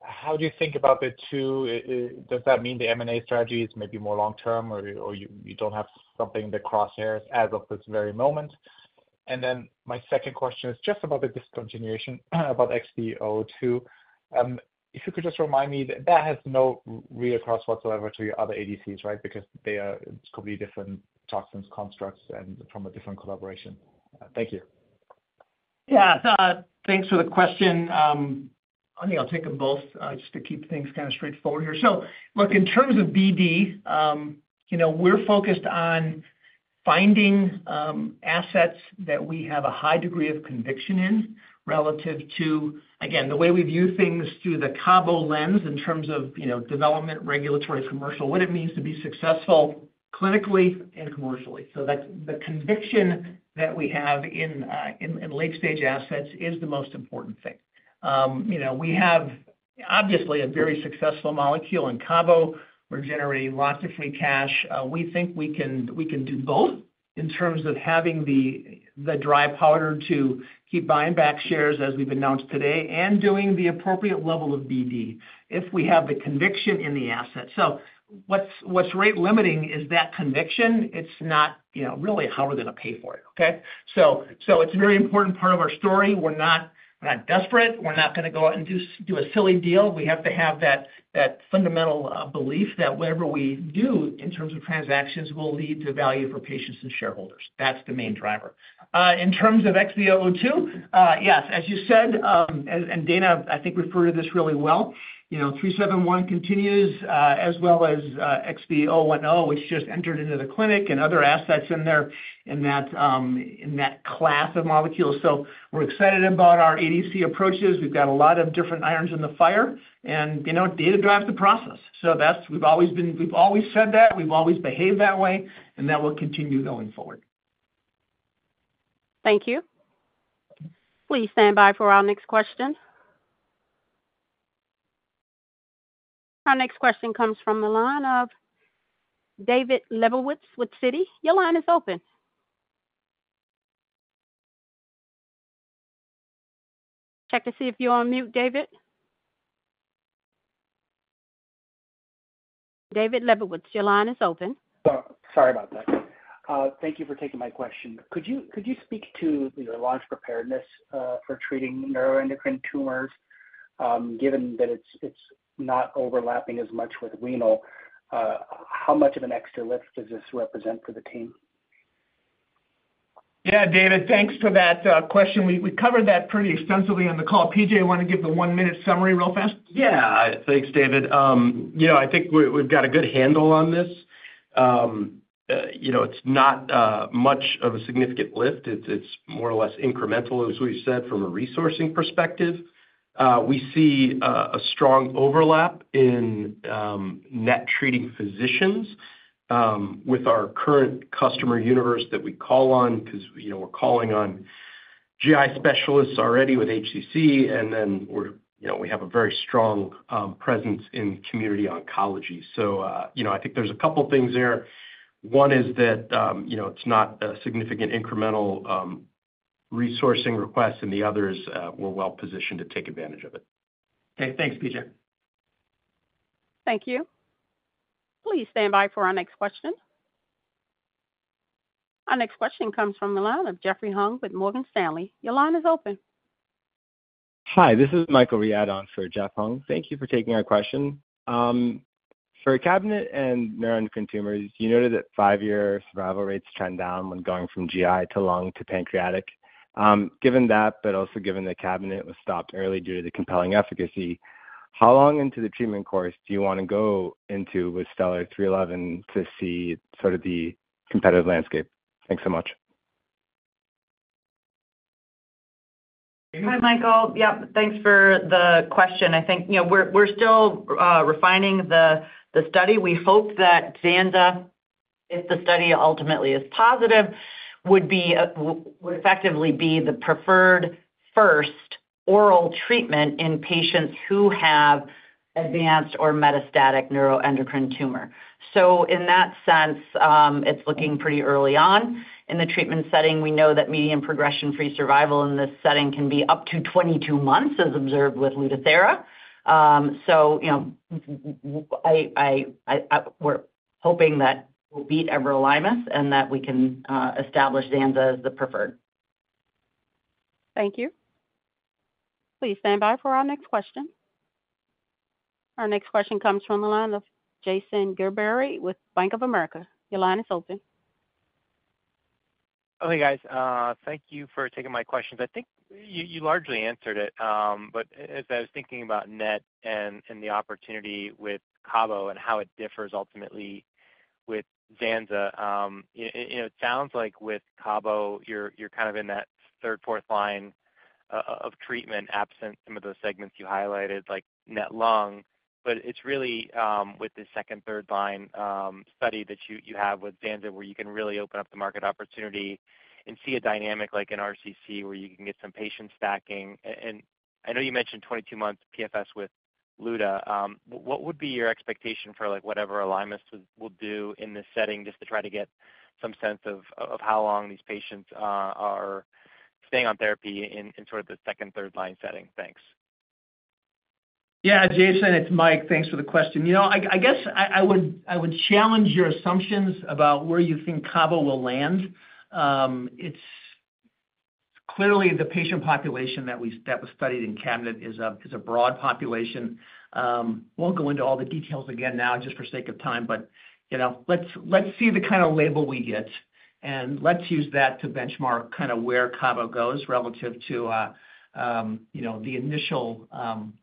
how do you think about the two? Does that mean the M&A strategy is maybe more long term, or you don't have something in the crosshairs as of this very moment? And then my second question is just about the discontinuation about XB002. If you could just remind me, that has no read-across whatsoever to your other ADCs, right? Because they are—it's completely different toxins, constructs, and from a different collaboration. Thank you. Yeah, thanks for the question. I think I'll take them both, just to keep things kind of straightforward here. So look, in terms of BD, you know, we're focused on finding, assets that we have a high degree of conviction in relative to... Again, the way we view things through the CABO lens in terms of, you know, development, regulatory, commercial, what it means to be successful clinically and commercially. So that the conviction that we have in late-stage assets is the most important thing. You know, we have, obviously, a very successful molecule in CABO. We're generating lots of free cash. We think we can do both in terms of having the dry powder to keep buying back shares, as we've announced today, and doing the appropriate level of BD, if we have the conviction in the asset. So what's rate limiting is that conviction. It's not, you know, really how we're going to pay for it, okay? So it's a very important part of our story. We're not desperate. We're not going to go out and do a silly deal. We have to have that fundamental belief that whatever we do in terms of transactions will lead to value for patients and shareholders. That's the main driver. In terms of XB002, yes, as you said, and Dana, I think, referred to this really well, you know, XB371 continues, as well as, XB010, which just entered into the clinic and other assets in there in that class of molecules. So we're excited about our ADC approaches. We've got a lot of different irons in the fire, and, you know, data drives the process. So that's what we've always been. We've always said that, we've always behaved that way, and that will continue going forward. Thank you. Please stand by for our next question. Our next question comes from the line of David Lebowitz with Citi. Your line is open. Check to see if you're on mute, David. David Lebowitz, your line is open. Oh, sorry about that. Thank you for taking my question. Could you, could you speak to your launch preparedness for treating neuroendocrine tumors, given that it's, it's not overlapping as much with renal? How much of an extra lift does this represent for the team? Yeah, David, thanks for that question. We covered that pretty extensively on the call. P.J., you want to give the one-minute summary real fast? Yeah. Thanks, David. You know, I think we, we've got a good handle on this. You know, it's not much of a significant lift. It's more or less incremental, as we've said, from a resourcing perspective. We see a strong overlap in NET treating physicians with our current customer universe that we call on, because, you know, we're calling on GI specialists already with HCC, and then we're, you know, we have a very strong presence in community oncology. So, you know, I think there's a couple things there. One is that, you know, it's not a significant incremental resourcing request, and the other is, we're well-positioned to take advantage of it. Okay. Thanks, PJ. Thank you. Please stand by for our next question. Our next question comes from the line of Jeffrey Hung with Morgan Stanley. Your line is open. Hi, this is Michael Riad on for Jeff Hung. Thank you for taking our question. For CABINET and neuroendocrine tumors, you noted that five-year survival rates trend down when going from GI to lung to pancreatic. Given that, but also given that CABINET was stopped early due to the compelling efficacy, how long into the treatment course do you want to go into with STELLAR-311 to see sort of the competitive landscape? Thanks so much. Hi, Michael. Yep, thanks for the question. I think, you know, we're still refining the study. We hope that Zanza, if the study ultimately is positive, would effectively be the preferred first oral treatment in patients who have advanced or metastatic neuroendocrine tumor. So in that sense, it's looking pretty early on in the treatment setting. We know that median progression-free survival in this setting can be up to 22 months, as observed with Lutathera. So, you know, I, we're hoping that we'll beat Everolimus, and that we can establish Zanza as the preferred. Thank you. Please stand by for our next question. Our next question comes from the line of Jason Gerberry with Bank of America. Your line is open. Okay, guys, thank you for taking my questions. I think you largely answered it, but as I was thinking about NET and the opportunity with CABO and how it differs ultimately with Zanza, you know, it sounds like with CABO, you're kind of in that third, fourth line of treatment, absent some of those segments you highlighted, like NET lung. But it's really with the second, third line study that you have with Zanza, where you can really open up the market opportunity and see a dynamic like in RCC, where you can get some patient stacking. And I know you mentioned 22 months PFS with Luta. What would be your expectation for, like, what everolimus will do in this setting, just to try to get some sense of how long these patients are staying on therapy in sort of the second, third line setting? Thanks. Yeah, Jason, it's Mike. Thanks for the question. You know, I guess I would challenge your assumptions about where you think CABO will land. It's clearly the patient population that was studied in CABINET is a broad population. Won't go into all the details again now, just for sake of time, but, you know, let's see the kind of label we get, and let's use that to benchmark kind of where CABO goes relative to, you know, the initial,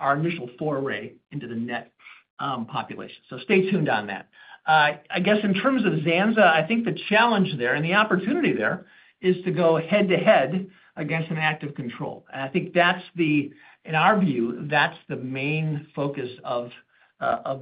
our initial foray into the NET population. So stay tuned on that. I guess in terms of Zanza, I think the challenge there and the opportunity there is to go head-to-head against an active control. And I think that's the... In our view, that's the main focus of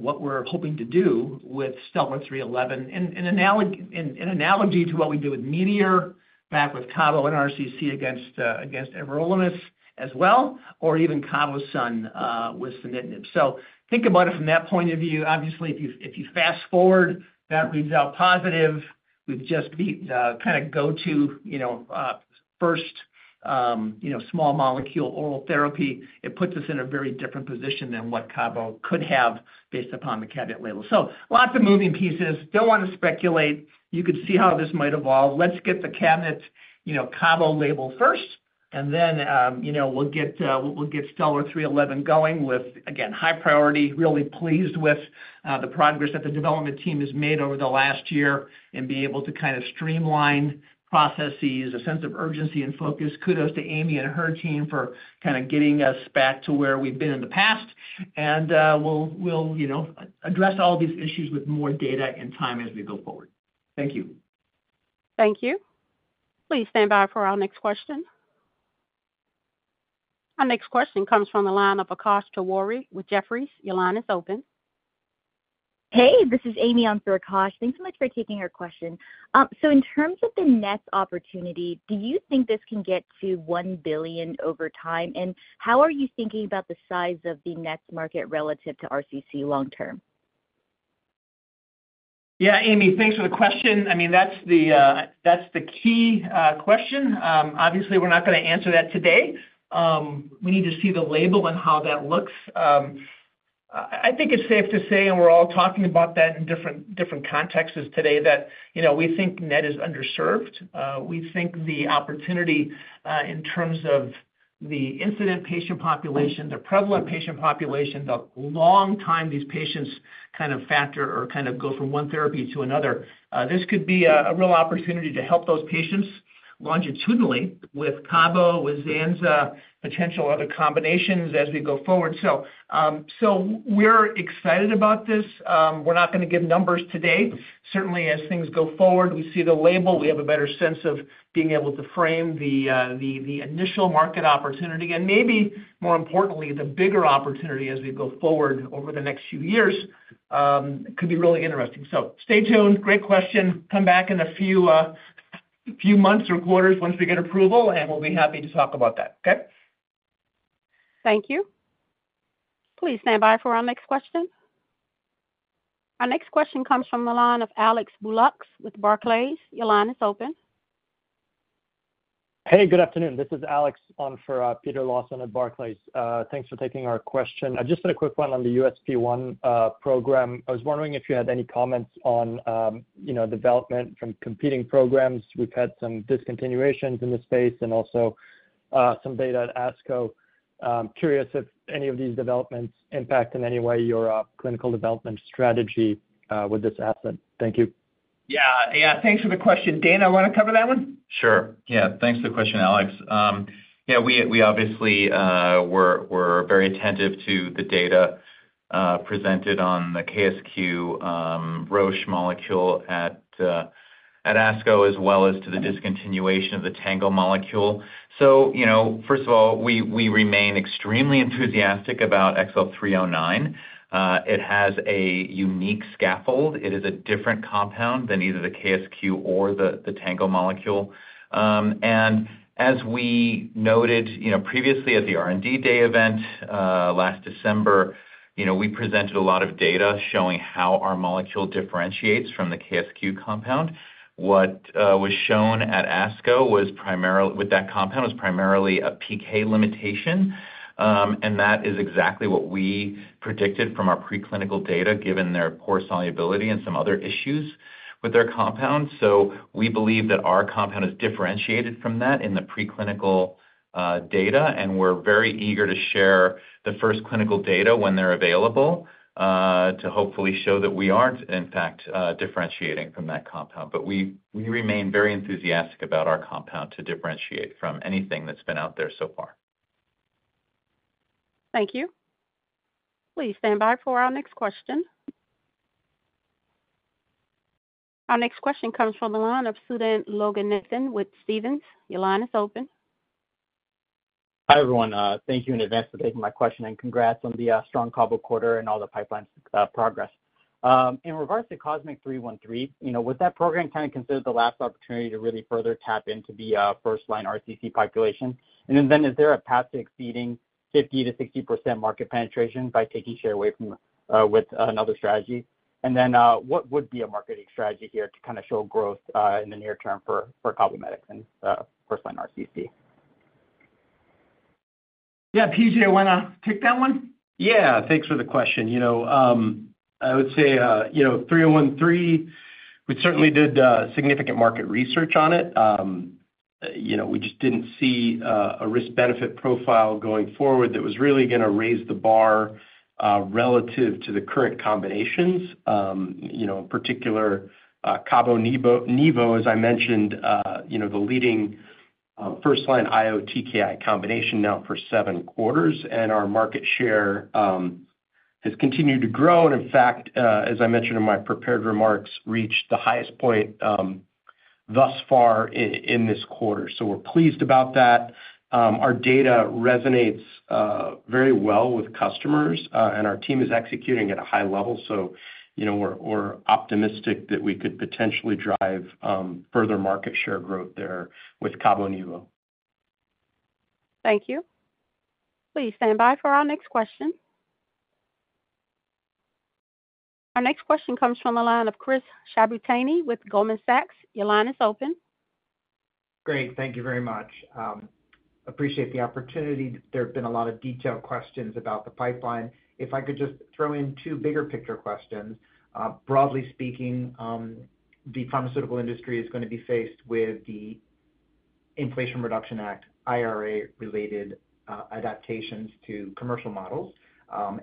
what we're hoping to do with STELLAR-311. And an analog and an analogy to what we did with METEOR, back with CABO and RCC against against everolimus as well, or even CABOSUN with sunitinib. So think about it from that point of view. Obviously, if you fast forward, that reads out positive. We've just beat kind of go to, you know, first, you know, small molecule oral therapy. It puts us in a very different position than what CABO could have based upon the CABINET label. So lots of moving pieces, don't want to speculate. You could see how this might evolve. Let's get the CABINET, you know, CABO label first, and then, you know, we'll get STELLAR-311 going with, again, high priority. Really pleased with the progress that the development team has made over the last year and be able to kind of streamline processes, a sense of urgency and focus. Kudos to Amy and her team for kind of getting us back to where we've been in the past. And we'll, you know, address all of these issues with more data and time as we go forward. Thank you. Thank you. Please stand by for our next question. Our next question comes from the line of Akash Tewari with Jefferies. Your line is open. Hey, this is Amy on for Akash. Thanks so much for taking our question. So in terms of the NET opportunity, do you think this can get to $1 billion over time? And how are you thinking about the size of the NET market relative to RCC long term? Yeah, Amy, thanks for the question. I mean, that's the, that's the key question. Obviously, we're not gonna answer that today. We need to see the label and how that looks. I, I think it's safe to say, and we're all talking about that in different, different contexts today, that, you know, we think NET is underserved. We think the opportunity in terms of the incident patient population, the prevalent patient population, the long time these patients kind of factor or kind of go from one therapy to another, this could be a real opportunity to help those patients longitudinally with CABO, with Zanza, potential other combinations as we go forward. So, so we're excited about this. We're not gonna give numbers today. Certainly, as things go forward, we see the label, we have a better sense of being able to frame the initial market opportunity, and maybe more importantly, the bigger opportunity as we go forward over the next few years, could be really interesting. So stay tuned. Great question. Come back in a few months or quarters once we get approval, and we'll be happy to talk about that. Okay? Thank you. Please stand by for our next question. Our next question comes from the line of Alexandre Bouilloux with Barclays. Your line is open. Hey, good afternoon. This is Alex on for, Peter Lawson at Barclays. Thanks for taking our question. Just a quick one on the USP1, program. I was wondering if you had any comments on, you know, development from competing programs. We've had some discontinuations in the space and also, some data at ASCO. Curious if any of these developments impact in any way your, clinical development strategy, with this asset? Thank you. Yeah. Yeah, thanks for the question. Dan, I want to cover that one? Sure. Yeah, thanks for the question, Alex. Yeah, we obviously we're very attentive to the data presented on the KSQ Roche molecule at ASCO, as well as to the discontinuation of the Tango molecule. So, you know, first of all, we remain extremely enthusiastic about XL309. It has a unique scaffold. It is a different compound than either the KSQ or the Tango molecule. And as we noted, you know, previously at the R&D Day event last December, you know, we presented a lot of data showing how our molecule differentiates from the KSQ compound. What was shown at ASCO was primarily with that compound was primarily a PK limitation, and that is exactly what we predicted from our preclinical data, given their poor solubility and some other issues with their compound. So we believe that our compound is differentiated from that in the preclinical data, and we're very eager to share the first clinical data when they're available, to hopefully show that we are in fact differentiating from that compound. But we, we remain very enthusiastic about our compound to differentiate from anything that's been out there so far. Thank you. Please stand by for our next question. Our next question comes from the line of Sudan Loganathan with Stephens. Your line is open. Hi, everyone. Thank you in advance for taking my question, and congrats on the strong Cabo quarter and all the pipeline's progress. In regards to COSMIC-313, you know, was that program kind of considered the last opportunity to really further tap into the first-line RCC population? And then, is there a path to exceeding 50%-60% market penetration by taking share away from, with another strategy? And then, what would be a marketing strategy here to kind of show growth in the near term for Cabometyx and first-line RCC? Yeah, PJ, wanna take that one? Yeah, thanks for the question. You know, I would say, you know, COSMIC-313, we certainly did significant market research on it. You know, we just didn't see a risk-benefit profile going forward that was really gonna raise the bar relative to the current combinations. You know, in particular, Cabo/Nivo, as I mentioned, you know, the leading first-line IO TKI combination now for seven quarters, and our market share has continued to grow. And in fact, as I mentioned in my prepared remarks, reached the highest point thus far in this quarter. So we're pleased about that. Our data resonates very well with customers, and our team is executing at a high level. So you know, we're, we're optimistic that we could potentially drive further market share growth there with Cabo/Nivo. Thank you. Please stand by for our next question. Our next question comes from the line of Chris Shibutani with Goldman Sachs. Your line is open. Great. Thank you very much. Appreciate the opportunity. There have been a lot of detailed questions about the pipeline. If I could just throw in two bigger picture questions. Broadly speaking, the pharmaceutical industry is gonna be faced with the Inflation Reduction Act, IRA, related adaptations to commercial models,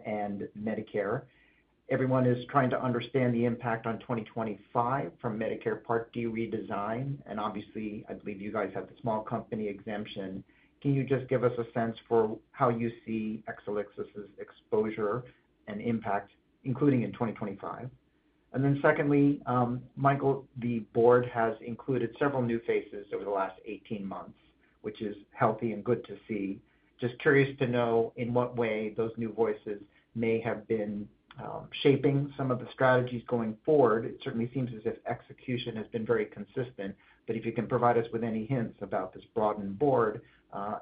and Medicare. Everyone is trying to understand the impact on 2025 from Medicare Part D redesign, and obviously, I believe you guys have the small company exemption. Can you just give us a sense for how you see Exelixis' exposure and impact, including in 2025? And then secondly, Michael, the board has included several new faces over the last 18 months, which is healthy and good to see. Just curious to know in what way those new voices may have been shaping some of the strategies going forward. It certainly seems as if execution has been very consistent, but if you can provide us with any hints about this broadened board,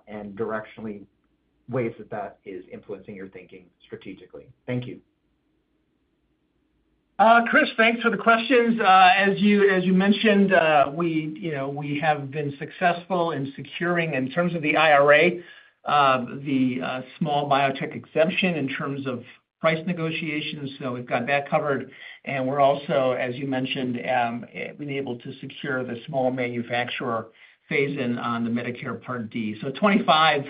and directionally, ways that that is influencing your thinking strategically? Thank you. Chris, thanks for the questions. As you mentioned, you know, we have been successful in securing, in terms of the IRA, the small biotech exemption in terms of price negotiations, so we've got that covered. We're also, as you mentioned, been able to secure the small manufacturer phase-in on the Medicare Part D. So 2025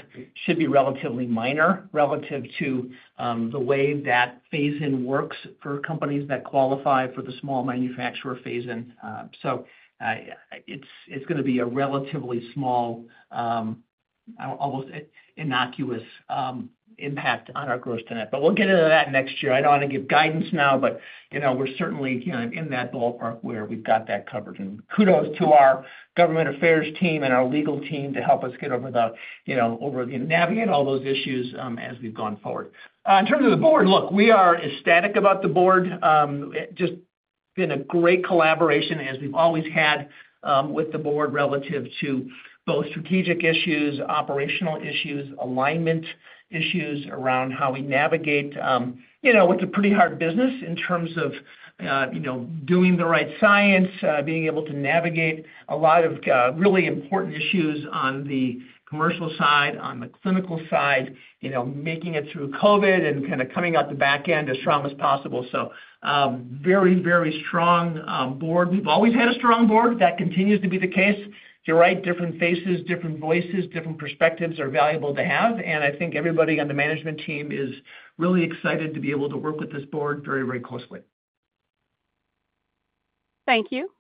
should be relatively minor relative to the way that phase-in works for companies that qualify for the small manufacturer phase-in. So it's gonna be a relatively small, almost innocuous, impact on our gross-to-net. But we'll get into that next year. I don't wanna give guidance now, but, you know, we're certainly, you know, in that ballpark where we've got that covered. Kudos to our government affairs team and our legal team to help us get over the, you know, navigate all those issues, as we've gone forward. In terms of the board, look, we are ecstatic about the board. It just been a great collaboration, as we've always had, with the board, relative to both strategic issues, operational issues, alignment issues around how we navigate, you know, it's a pretty hard business in terms of, you know, doing the right science, being able to navigate a lot of, really important issues on the commercial side, on the clinical side, you know, making it through COVID and kind of coming out the back end as strong as possible. So, very, very strong board. We've always had a strong board. That continues to be the case. You're right, different faces, different voices, different perspectives are valuable to have, and I think everybody on the management team is really excited to be able to work with this board very, very closely. Thank you.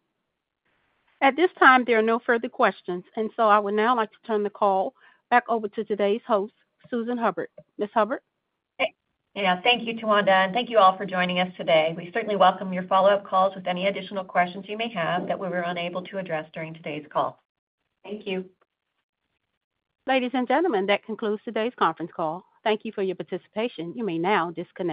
At this time, there are no further questions, and so I would now like to turn the call back over to today's host, Susan Hubbard. Ms. Hubbard? Yeah, thank you, Tawanda, and thank you all for joining us today. We certainly welcome your follow-up calls with any additional questions you may have that we were unable to address during today's call. Thank you. Ladies and gentlemen, that concludes today's conference call. Thank you for your participation. You may now disconnect.